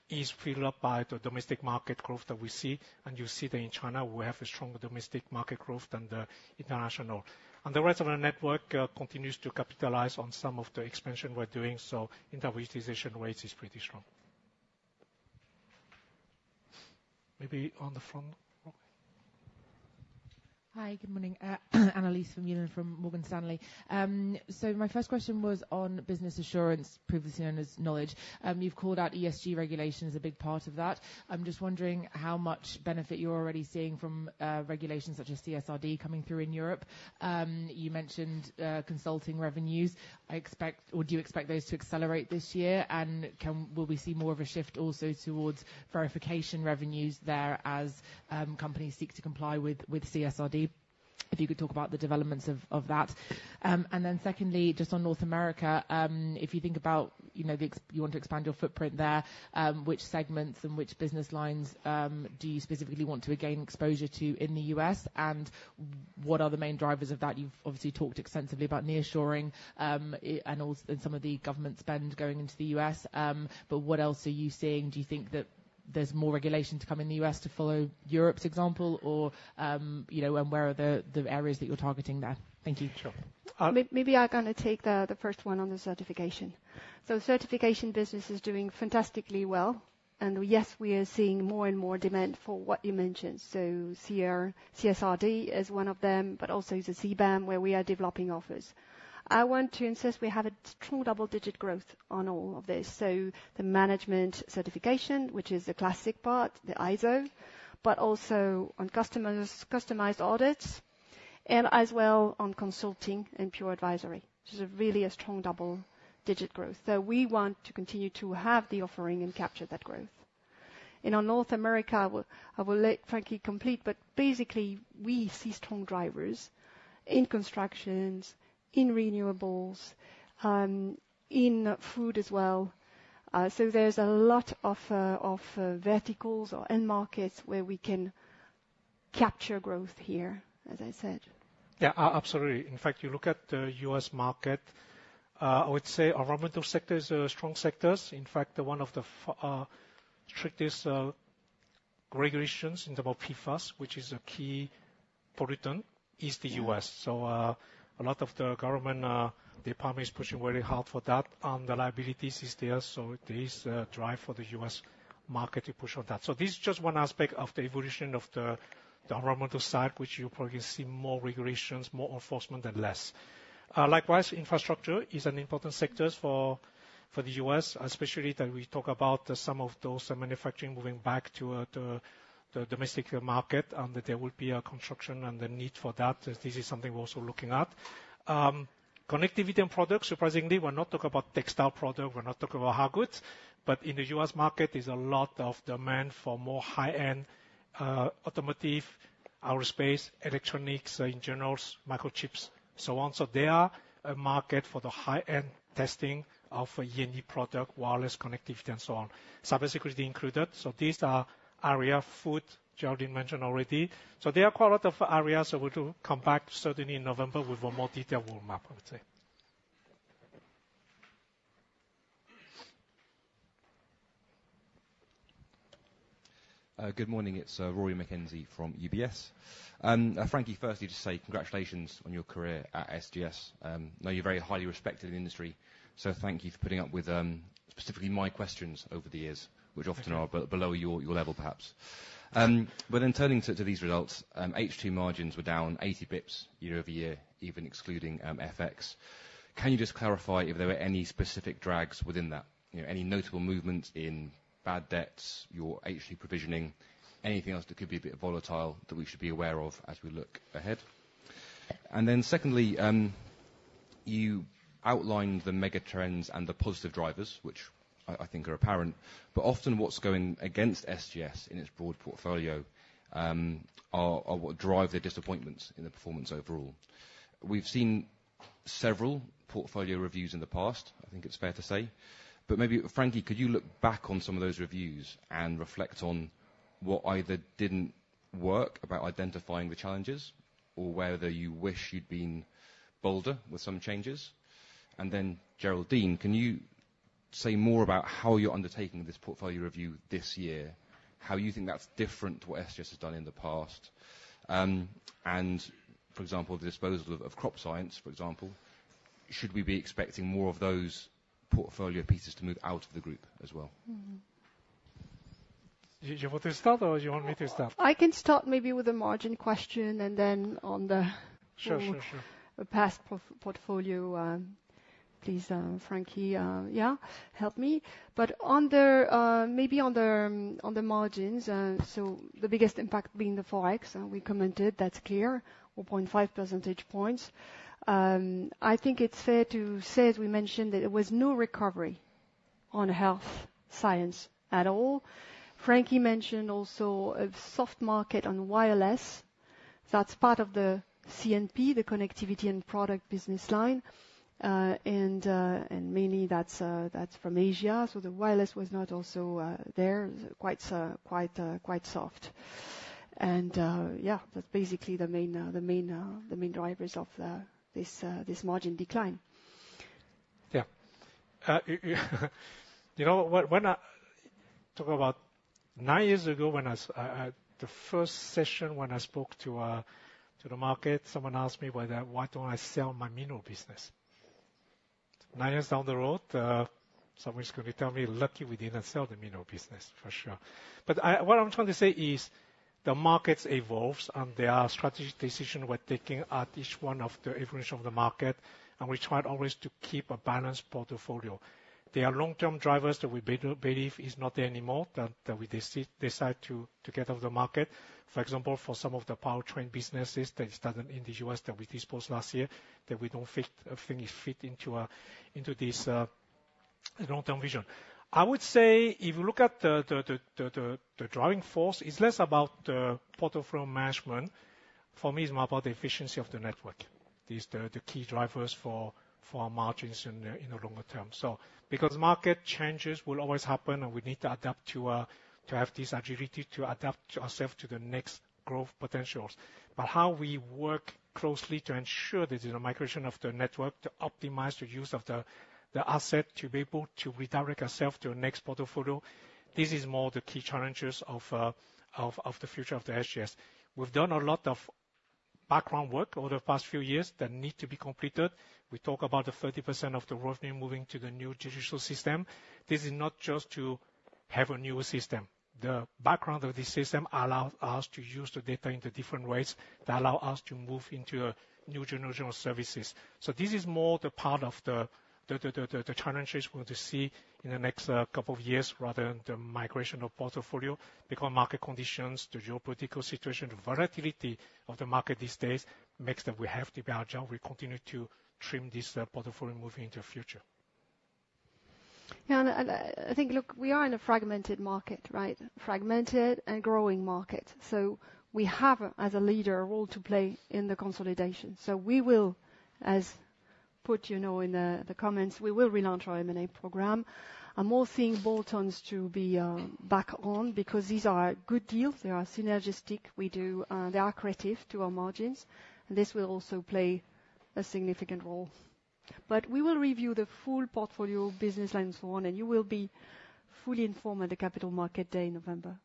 is filled up by the domestic market growth that we see. And you see that in China, we have a stronger domestic market growth than the international. The rest of our network continues to capitalize on some of the expansion we're doing, so asset utilization rate is pretty strong. Maybe on the front row. Hi, good morning. Annelies Vermeulen from Morgan Stanley. So my first question was on Business Assurance, previously known as Knowledge. You've called out ESG regulation as a big part of that. I'm just wondering how much benefit you're already seeing from regulations such as CSRD coming through in Europe. You mentioned consulting revenues. I expect... Or do you expect those to accelerate this year, and can, will we see more of a shift also towards verification revenues there as companies seek to comply with, with CSRD? If you could talk about the developments of, of that. And then secondly, just on North America, if you think about, you know, the you want to expand your footprint there, which segments and which business lines do you specifically want to gain exposure to in the US? What are the main drivers of that? You've obviously talked extensively about nearshoring, IT, and also, and some of the government spend going into the U.S., but what else are you seeing? Do you think that there's more regulation to come in the U.S. to follow Europe's example, or, you know, and where are the areas that you're targeting there? Thank you. Sure. Uh- Maybe I'm gonna take the first one on the certification. So certification business is doing fantastically well, and yes, we are seeing more and more demand for what you mentioned. So CR, CSRD is one of them, but also is a CBAM, where we are developing offers. I want to insist we have a strong double-digit growth on all of this, so the management certification, which is the classic part, the ISO, but also on customers, customized audits and as well on consulting and pure advisory. This is really a strong double-digit growth. So we want to continue to have the offering and capture that growth. And on North America, I will let Frankie complete, but basically, we see strong drivers in constructions, in renewables, in food as well. There's a lot of verticals or end markets where we can capture growth here, as I said. Yeah, absolutely. In fact, you look at the U.S. market, I would say environmental sectors are strong sectors. In fact, one of the strictest regulations in terms of PFAS, which is a key pollutant, is the U.S. So, a lot of the government department is pushing very hard for that, and the liabilities is there, so there is a drive for the U.S. market to push on that. So this is just one aspect of the evolution of the environmental side, which you probably see more regulations, more enforcement and less. Likewise, infrastructure is an important sectors for the U.S., especially that we talk about some of those manufacturing moving back to the domestic market, and that there will be a construction and the need for that. This is something we're also looking at. Connectivity and products, surprisingly, we're not talking about textile product, we're not talking about hard goods, but in the U.S. market, there's a lot of demand for more high-end, automotive, aerospace, electronics, in general, microchips, so on. So there's a market for the high-end testing of a unique product, wireless connectivity, and so on. Cybersecurity included. So these are areas, food, Géraldine mentioned already. So there are quite a lot of areas that we're to come back, certainly in November, with a more detailed roadmap, I would say. Good morning, it's Rory McKenzie from UBS. And Frankie, firstly, to say congratulations on your career at SGS. Know you're very highly respected in the industry, so thank you for putting up with specifically my questions over the years—which often are below your level, perhaps. But then turning to these results, H2 margins were down 80 pips year-over-year, even excluding FX. Can you just clarify if there were any specific drags within that? You know, any notable movements in bad debts, your H2 provisioning, anything else that could be a bit volatile that we should be aware of as we look ahead? And then secondly, you outlined the mega trends and the positive drivers, which I think are apparent, but often what's going against SGS in its broad portfolio are what drive the disappointments in the performance overall. We've seen several portfolio reviews in the past, I think it's fair to say, but maybe Frankie, could you look back on some of those reviews and reflect on what either didn't work about identifying the challenges, or whether you wish you'd been bolder with some changes? And then, Géraldine, can you say more about how you're undertaking this portfolio review this year? How you think that's different to what SGS has done in the past. And for example, the disposal of Crop Science, for example, should we be expecting more of those portfolio pieces to move out of the group as well? Mm-hmm. Do you want to start, or do you want me to start? I can start maybe with the margin question, and then on the- Sure, sure, sure.... the past portfolio, please, Frankie, yeah, help me. But on the margins, so the biggest impact being the Forex, and we commented, that's clear, 0.5 percentage points. I think it's fair to say, as we mentioned, that there was no recovery on health science at all. Frankie mentioned also a soft market on wireless. That's part of the CNP, the Connectivity and Product business line, and mainly that's from Asia. So the wireless was not also there. Quite soft. And yeah, that's basically the main drivers of this margin decline. Yeah. You know, when, when I talk about nine years ago, when I, the first session when I spoke to, to the market, someone asked me whether, why don't I sell my mineral business? Nine years down the road, somebody's gonna tell me, lucky we didn't sell the mineral business, for sure. But I... What I'm trying to say is, the markets evolves, and there are strategic decisions we're taking at each one of the evolution of the market, and we try always to keep a balanced portfolio. There are long-term drivers that we believe is not there anymore, that, that we decide to, to get out of the market. For example, for some of the powertrain businesses that started in the U.S. that we disposed last year, that we don't fit, think fit into, into this, long-term vision. I would say if you look at the driving force, it's less about portfolio management. For me, it's more about the efficiency of the network. This is the key drivers for margins in the longer term. So because market changes will always happen, and we need to adapt to have this agility to adapt ourselves to the next growth potentials. But how we work closely to ensure that in the migration of the network, to optimize the use of the asset, to be able to redirect ourselves to the next portfolio, this is more the key challenges of the future of the SGS. We've done a lot of background work over the past few years that need to be completed. We talk about the 30% of the revenue moving to the new digital system. This is not just to have a newer system. The background of this system allow us to use the data into different ways that allow us to move into a new generation of services. So this is more the part of the challenges we're to see in the next couple of years, rather than the migration of portfolio, because market conditions, the geopolitical situation, the volatility of the market these days, makes that we have to be our job. We continue to trim this portfolio moving into the future.... Yeah, and I think, look, we are in a fragmented market, right? Fragmented and growing market. So we have, as a leader, a role to play in the consolidation. So we will, as put, you know, in the comments, we will relaunch our M&A program. I'm more seeing bolt-ons to be back on, because these are good deals. They are synergistic, they are accretive to our margins, and this will also play a significant role. But we will review the full portfolio of business lines for one, and you will be fully informed at the Capital Market Day in November.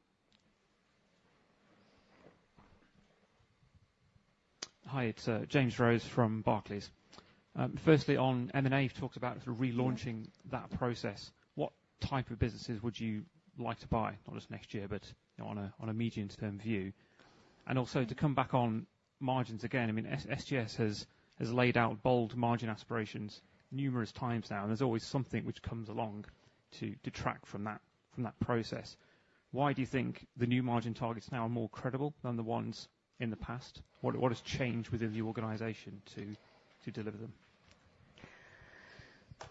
Hi, it's James Rose from Barclays. Firstly, on M&A, you've talked about sort of relaunching that process. What type of businesses would you like to buy? Not just next year, but on a medium-term view. And also, to come back on margins again, I mean, SGS has laid out bold margin aspirations numerous times now, and there's always something which comes along to detract from that process. Why do you think the new margin targets now are more credible than the ones in the past? What has changed within the organization to deliver them?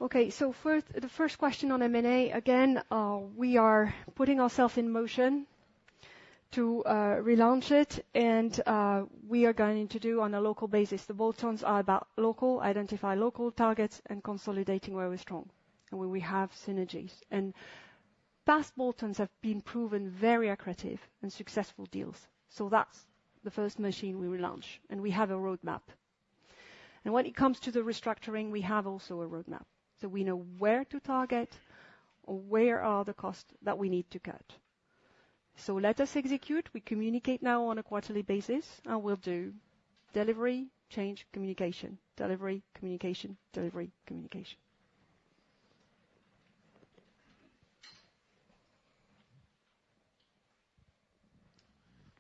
Okay, so first, the first question on M&A, again, we are putting ourselves in motion to relaunch it, and we are going to do on a local basis. The bolt-ons are about local, identify local targets and consolidating where we're strong and where we have synergies. And past bolt-ons have been proven very accretive and successful deals. So that's the first machine we will launch, and we have a roadmap. And when it comes to the restructuring, we have also a roadmap. So we know where to target or where are the costs that we need to cut. So let us execute. We communicate now on a quarterly basis, and we'll do delivery, change, communication. Delivery, communication, delivery, communication.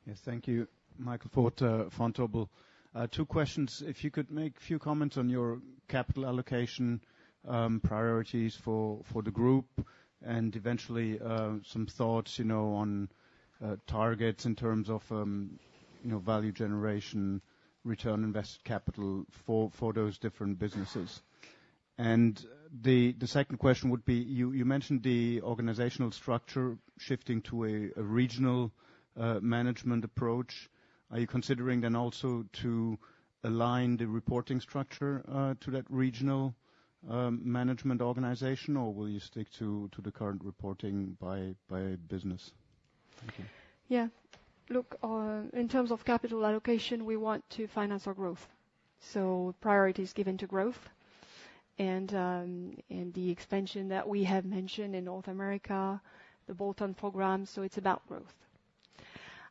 Yes, thank you. Michael Foeth, Vontobel. Two questions. If you could make a few comments on your capital allocation priorities for the group, and eventually some thoughts, you know, on targets in terms of value generation, return on invested capital for those different businesses. And the second question would be, you mentioned the organizational structure shifting to a regional management approach. Are you considering then also to align the reporting structure to that regional management organization, or will you stick to the current reporting by business? Thank you. Yeah. Look, in terms of capital allocation, we want to finance our growth. So priority is given to growth and, and the expansion that we have mentioned in North America, the bolt-on program, so it's about growth.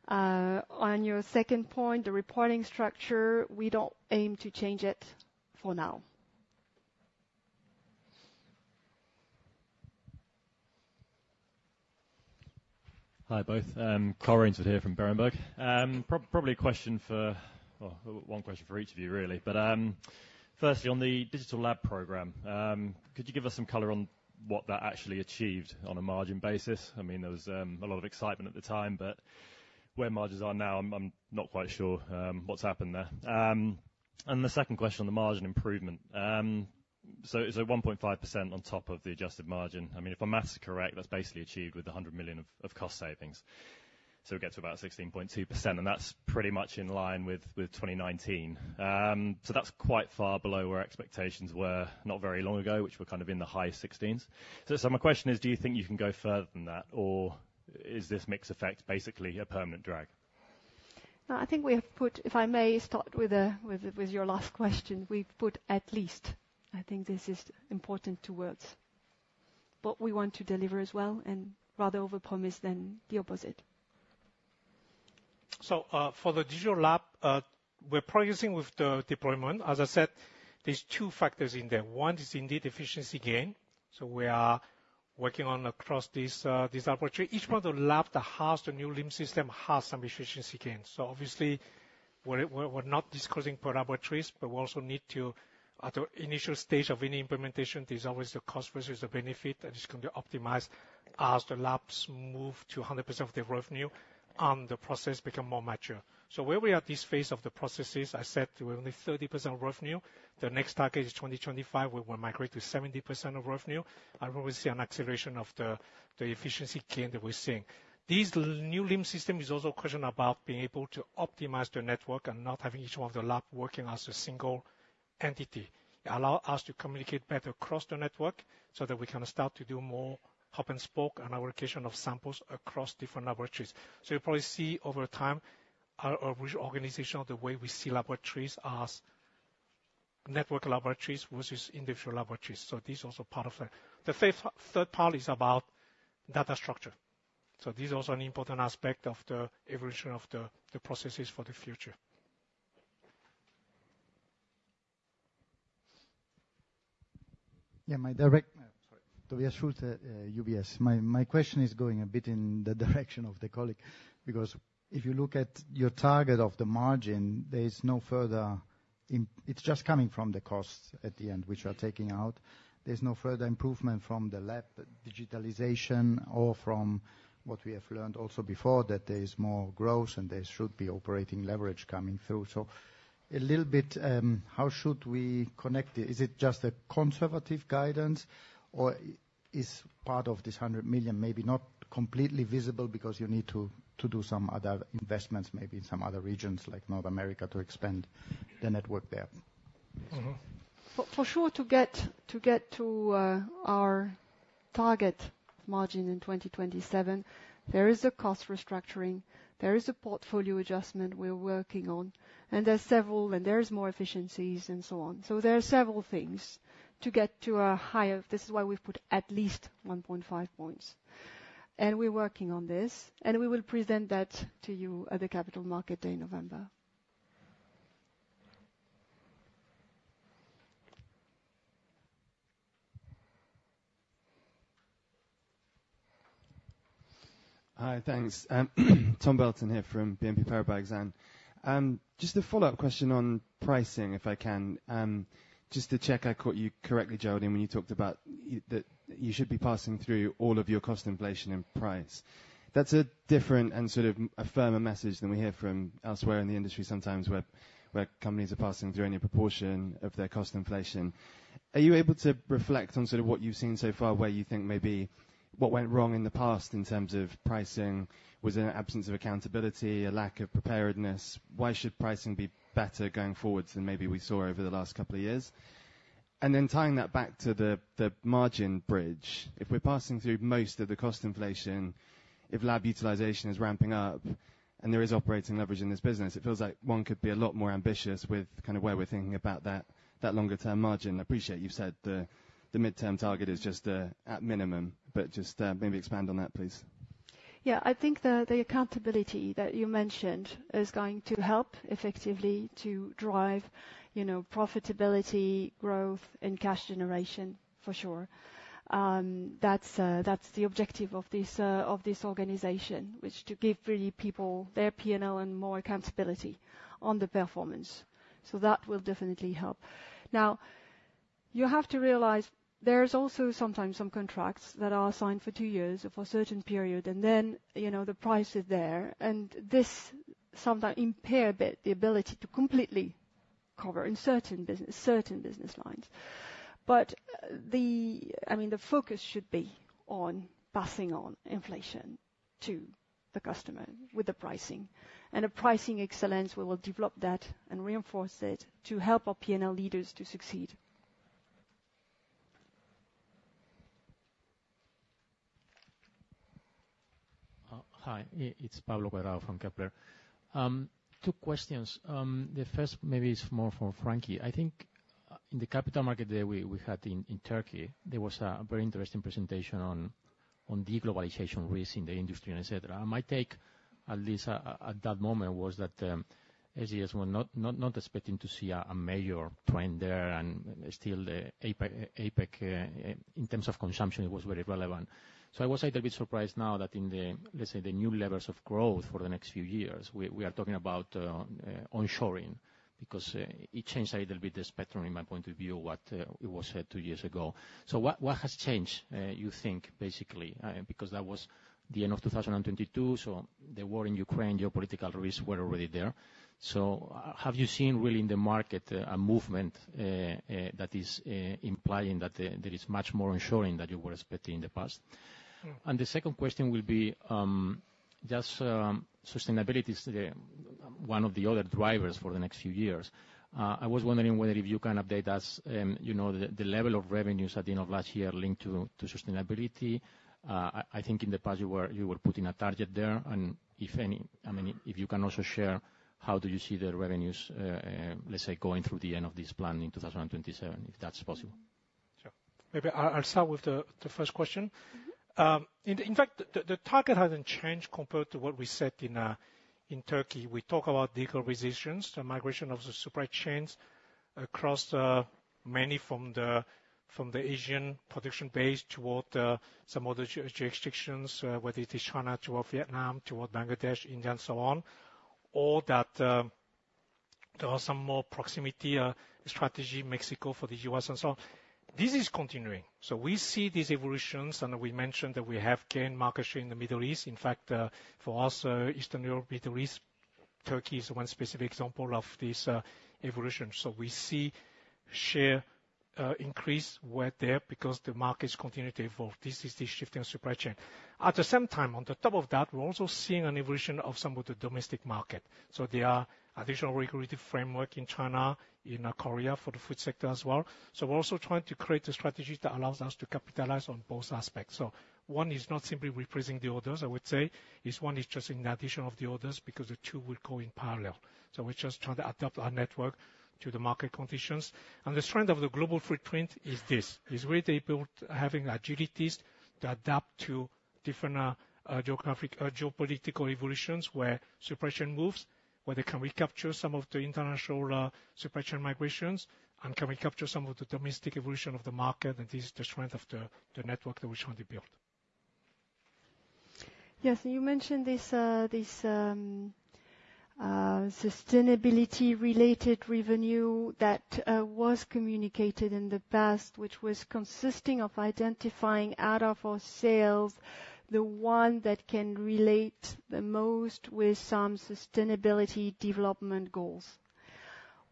On your second point, the reporting structure, we don't aim to change it for now. Hi, both. Carl Raynsford here from Berenberg. Probably a question for... Well, one question for each of you, really. But, firstly, on the Digital Lab program, could you give us some color on what that actually achieved on a margin basis? I mean, there was a lot of excitement at the time, but where margins are now, I'm not quite sure what's happened there. And the second question on the margin improvement. So is it 1.5% on top of the adjusted margin? I mean, if my math is correct, that's basically achieved with 100 million of cost savings. So we get to about 16.2%, and that's pretty much in line with 2019. So that's quite far below where expectations were not very long ago, which were kind of in the high 16s. So my question is, do you think you can go further than that, or is this mix effect basically a permanent drag? No, I think we have put... If I may start with your last question, we've put at least. I think this is important two words. But we want to deliver as well, and rather overpromise than the opposite. So, for the Digital Lab, we're progressing with the deployment. As I said, there's 2 factors in there. One is indeed efficiency gain, so we are working on across this, this opportunity. Each one of the lab that has the new LIMS system has some efficiency gains. So obviously, we're not disclosing per laboratories, but we also need to, at the initial stage of any implementation, there's always the cost versus the benefit, and it's going to be optimized as the labs move to 100% of their revenue, and the process become more mature. So where we are at this phase of the processes, I said we're only 30% of revenue. The next target is 2025, where we migrate to 70% of revenue. And we will see an acceleration of the efficiency gain that we're seeing. This new LIMS system is also a question about being able to optimize their network and not having each one of the lab working as a single entity. It allow us to communicate better across the network so that we can start to do more hub and spoke and allocation of samples across different laboratories. So you'll probably see over time, our, our reorganization, the way we see laboratories as network laboratories versus individual laboratories. So this is also part of that. The fifth, third part is about data structure. So this is also an important aspect of the evolution of the, the processes for the future. Sorry. Tobias Schultz, UBS. My question is going a bit in the direction of the colleague, because if you look at your target of the margin, there's no further. It's just coming from the costs at the end, which are taking out. There's no further improvement from the lab digitalization or from what we have learned also before, that there is more growth and there should be operating leverage coming through. So a little bit, how should we connect it? Is it just a conservative guidance, or i-... is part of this 100 million, maybe not completely visible because you need to do some other investments, maybe in some other regions, like North America, to expand the network there. Mm-hmm. For sure to get to our target margin in 2027, there is a cost restructuring, there is a portfolio adjustment we're working on, and there are several more efficiencies and so on. So there are several things to get to a higher... This is why we've put at least 1.5 points. And we're working on this, and we will present that to you at the Capital Market Day in November. Hi, thanks. Tom Belton here from BNP Paribas Exane. Just a follow-up question on pricing, if I can. Just to check, I caught you correctly, Géraldine, when you talked about that you should be passing through all of your cost inflation in price. That's a different and sort of a firmer message than we hear from elsewhere in the industry, sometimes where, where companies are passing through only a proportion of their cost inflation. Are you able to reflect on sort of what you've seen so far, where you think maybe what went wrong in the past in terms of pricing? Was it an absence of accountability, a lack of preparedness? Why should pricing be better going forward than maybe we saw over the last couple of years? And then tying that back to the, the margin bridge, if we're passing through most of the cost inflation, if lab utilization is ramping up, and there is operating leverage in this business, it feels like one could be a lot more ambitious with kind of where we're thinking about that, that longer-term margin. I appreciate you've said the, the midterm target is just at minimum, but just maybe expand on that, please. Yeah. I think the, the accountability that you mentioned is going to help effectively to drive, you know, profitability, growth and cash generation, for sure. That's, that's the objective of this, of this organization, which to give really people their P&L and more accountability on the performance. So that will definitely help. Now, you have to realize there's also sometimes some contracts that are signed for two years or for a certain period, and then, you know, the price is there, and this sometimes impair a bit the ability to completely cover in certain business, certain business lines. But the... I mean, the focus should be on passing on inflation to the customer with the pricing. And a pricing excellence, we will develop that and reinforce it to help our P&L leaders to succeed. Hi, it's Pablo Cuadrado from Kepler. Two questions. The first maybe is more for Frankie. I think, in the capital markets day in Turkey, there was a very interesting presentation on de-globalization risk in the industry and et cetera. My take, at least, at that moment, was that SGS were not expecting to see a major trend there, and still the APAC in terms of consumption, it was very relevant. So I was a little bit surprised now that in the, let's say, the new levels of growth for the next few years, we are talking about onshoring, because it changed a little bit the spectrum, in my point of view, what it was said two years ago. So what has changed, you think, basically? Because that was the end of 2022, so the war in Ukraine, geopolitical risks were already there. So have you seen really in the market, a movement, that is implying that there is much more onshoring than you were expecting in the past? Mm. The second question will be, just, sustainability is the one of the other drivers for the next few years. I was wondering whether if you can update us, you know, the level of revenues at the end of last year linked to sustainability. I think in the past, you were putting a target there, and if any, I mean, if you can also share, how do you see the revenues, let's say, going through the end of this plan in 2027, if that's possible? Sure. Maybe I'll start with the first question. In fact, the target hasn't changed compared to what we set in Turkey. We talk about de-globalizations, the migration of the supply chains across many from the Asian production base toward some other jurisdictions, whether it is China toward Vietnam, toward Bangladesh, India, and so on, or that there are some more proximity strategy, Mexico for the U.S. and so on. This is continuing, so we see these evolutions, and we mentioned that we have gained market share in the Middle East. In fact, for us, Eastern Europe, Middle East, Turkey is one specific example of this evolution. So we see share increase where there because the market is continuing to evolve. This is the shifting supply chain. At the same time, on the top of that, we're also seeing an evolution of some of the domestic market. So there are additional regulatory framework in China, in Korea for the food sector as well. So we're also trying to create a strategy that allows us to capitalize on both aspects. So one is not simply replacing the others, I would say. This one is just in addition of the others, because the two will go in parallel. So we're just trying to adapt our network to the market conditions. The strength of the global footprint is this: we're able to have agilities to adapt to different geographic geopolitical evolutions, where supply chains move, where they can recapture some of the international supply chain migrations and can recapture some of the domestic evolution of the market, and this is the strength of the network that we're trying to build. Yes, and you mentioned this sustainability-related revenue that was communicated in the past, which was consisting of identifying out of our sales, the one that can relate the most with some sustainability development goals.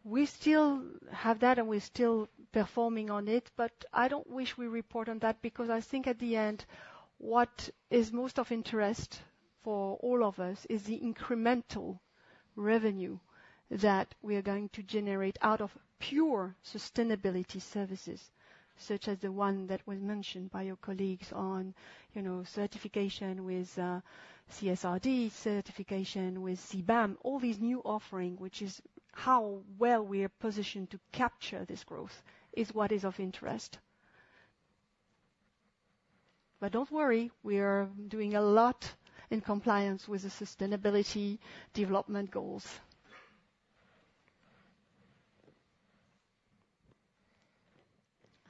We still have that, and we're still performing on it, but I don't wish we report on that, because I think at the end, what is most of interest for all of us is the incremental revenue that we are going to generate out of pure sustainability services, such as the one that was mentioned by your colleagues on, you know, certification with CSRD, certification with CBAM. All these new offering, which is how well we are positioned to capture this growth, is what is of interest. But don't worry, we are doing a lot in compliance with the sustainability development goals.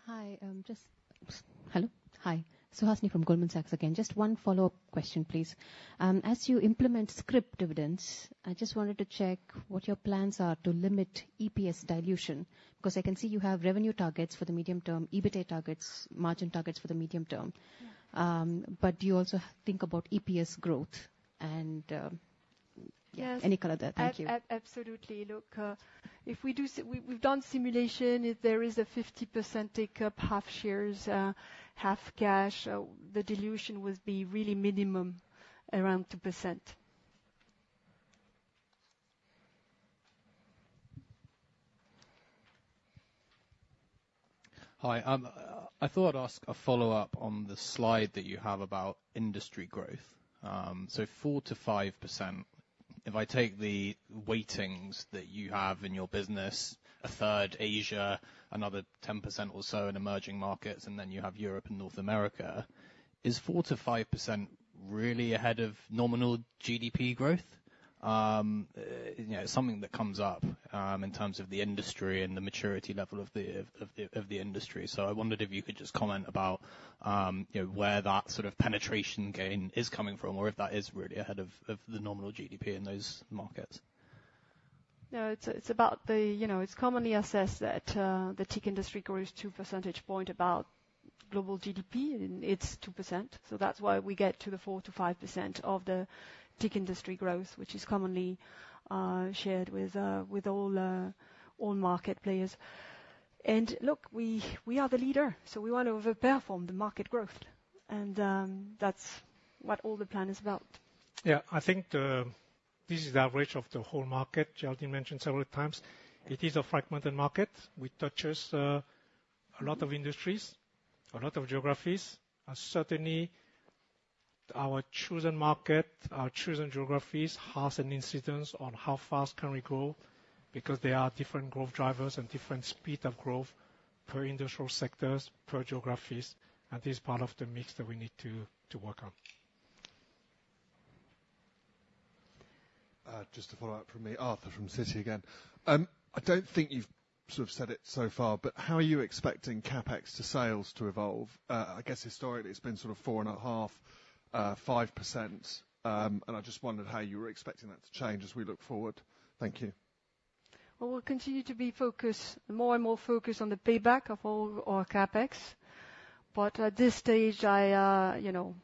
Hi, Hello? Hi, Suhasini from Goldman Sachs again. Just one follow-up question, please. As you implement scrip dividends, I just wanted to check what your plans are to limit EPS dilution. Because I can see you have revenue targets for the medium term, EBITDA targets, margin targets for the medium term. But do you also think about EPS growth and, yeah, any color there? Thank you. Yes, absolutely. Look, if we do—we've done simulation. If there is a 50% take up, half shares, half cash, the dilution would be really minimum, around 2%. Hi, I thought I'd ask a follow-up on the slide that you have about industry growth. So 4%-5%. If I take the weightings that you have in your business, a third Asia, another 10% or so in emerging markets, and then you have Europe and North America, is 4%-5% really ahead of nominal GDP growth? You know, something that comes up in terms of the industry and the maturity level of the industry. So I wondered if you could just comment about, you know, where that sort of penetration gain is coming from, or if that is really ahead of the nominal GDP in those markets. No, it's about the... You know, it's commonly assessed that the TIC industry grows two percentage points above global GDP, and it's 2%, so that's why we get to the 4%-5% of the TIC industry growth, which is commonly shared with all market players. And look, we are the leader, so we want to overperform the market growth, and that's what all the plan is about. Yeah, I think, this is the average of the whole market. Géraldine mentioned several times, it is a fragmented market, which touches, a lot of industries, a lot of geographies. And certainly, our chosen market, our chosen geographies, has an incidence on how fast can we grow, because there are different growth drivers and different speed of growth per industrial sectors, per geographies, and this is part of the mix that we need to work on. Just to follow up from me, Arthur from Citi again. I don't think you've sort of said it so far, but how are you expecting CapEx to sales to evolve? I guess historically, it's been sort of 4.5%-5%. I just wondered how you were expecting that to change as we look forward. Thank you. Well, we'll continue to be focused, more and more focused on the payback of all our CapEx. But at this stage, I, you know,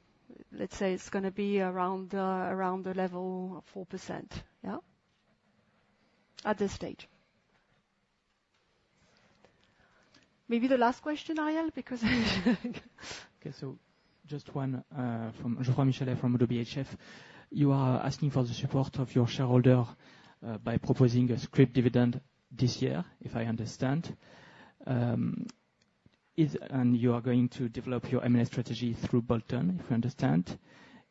let's say it's gonna be around the level of 4%. Yeah? At this stage. Maybe the last question, Ariel, because... Okay, so just one from Geoffroy Michalet, from ODDO BHF. You are asking for the support of your shareholder by proposing a scrip dividend this year, if I understand. And you are going to develop your M&A strategy through bolt-on, if I understand.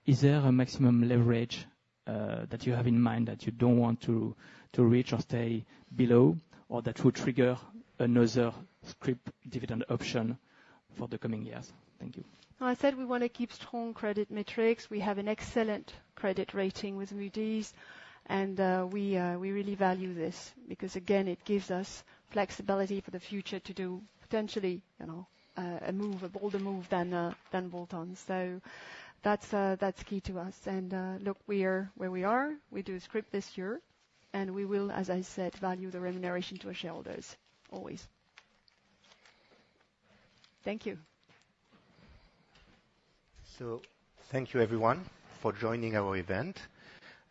Is there a maximum leverage that you have in mind that you don't want to reach or stay below, or that would trigger another scrip dividend option for the coming years? Thank you. I said we want to keep strong credit metrics. We have an excellent credit rating with Moody's, and we really value this, because again, it gives us flexibility for the future to do potentially, you know, a move, a bolder move than bolt-on. So that's key to us. And look, we are where we are. We do scrip this year, and we will, as I said, value the remuneration to our shareholders, always. Thank you. So thank you everyone for joining our event.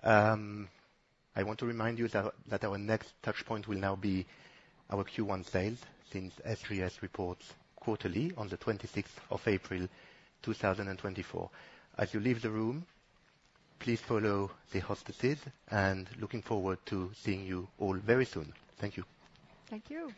I want to remind you that our next touchpoint will now be our Q1 sales, since SGS reports quarterly on the 26th of April, 2024. As you leave the room, please follow the hostesses, and looking forward to seeing you all very soon. Thank you. Thank you.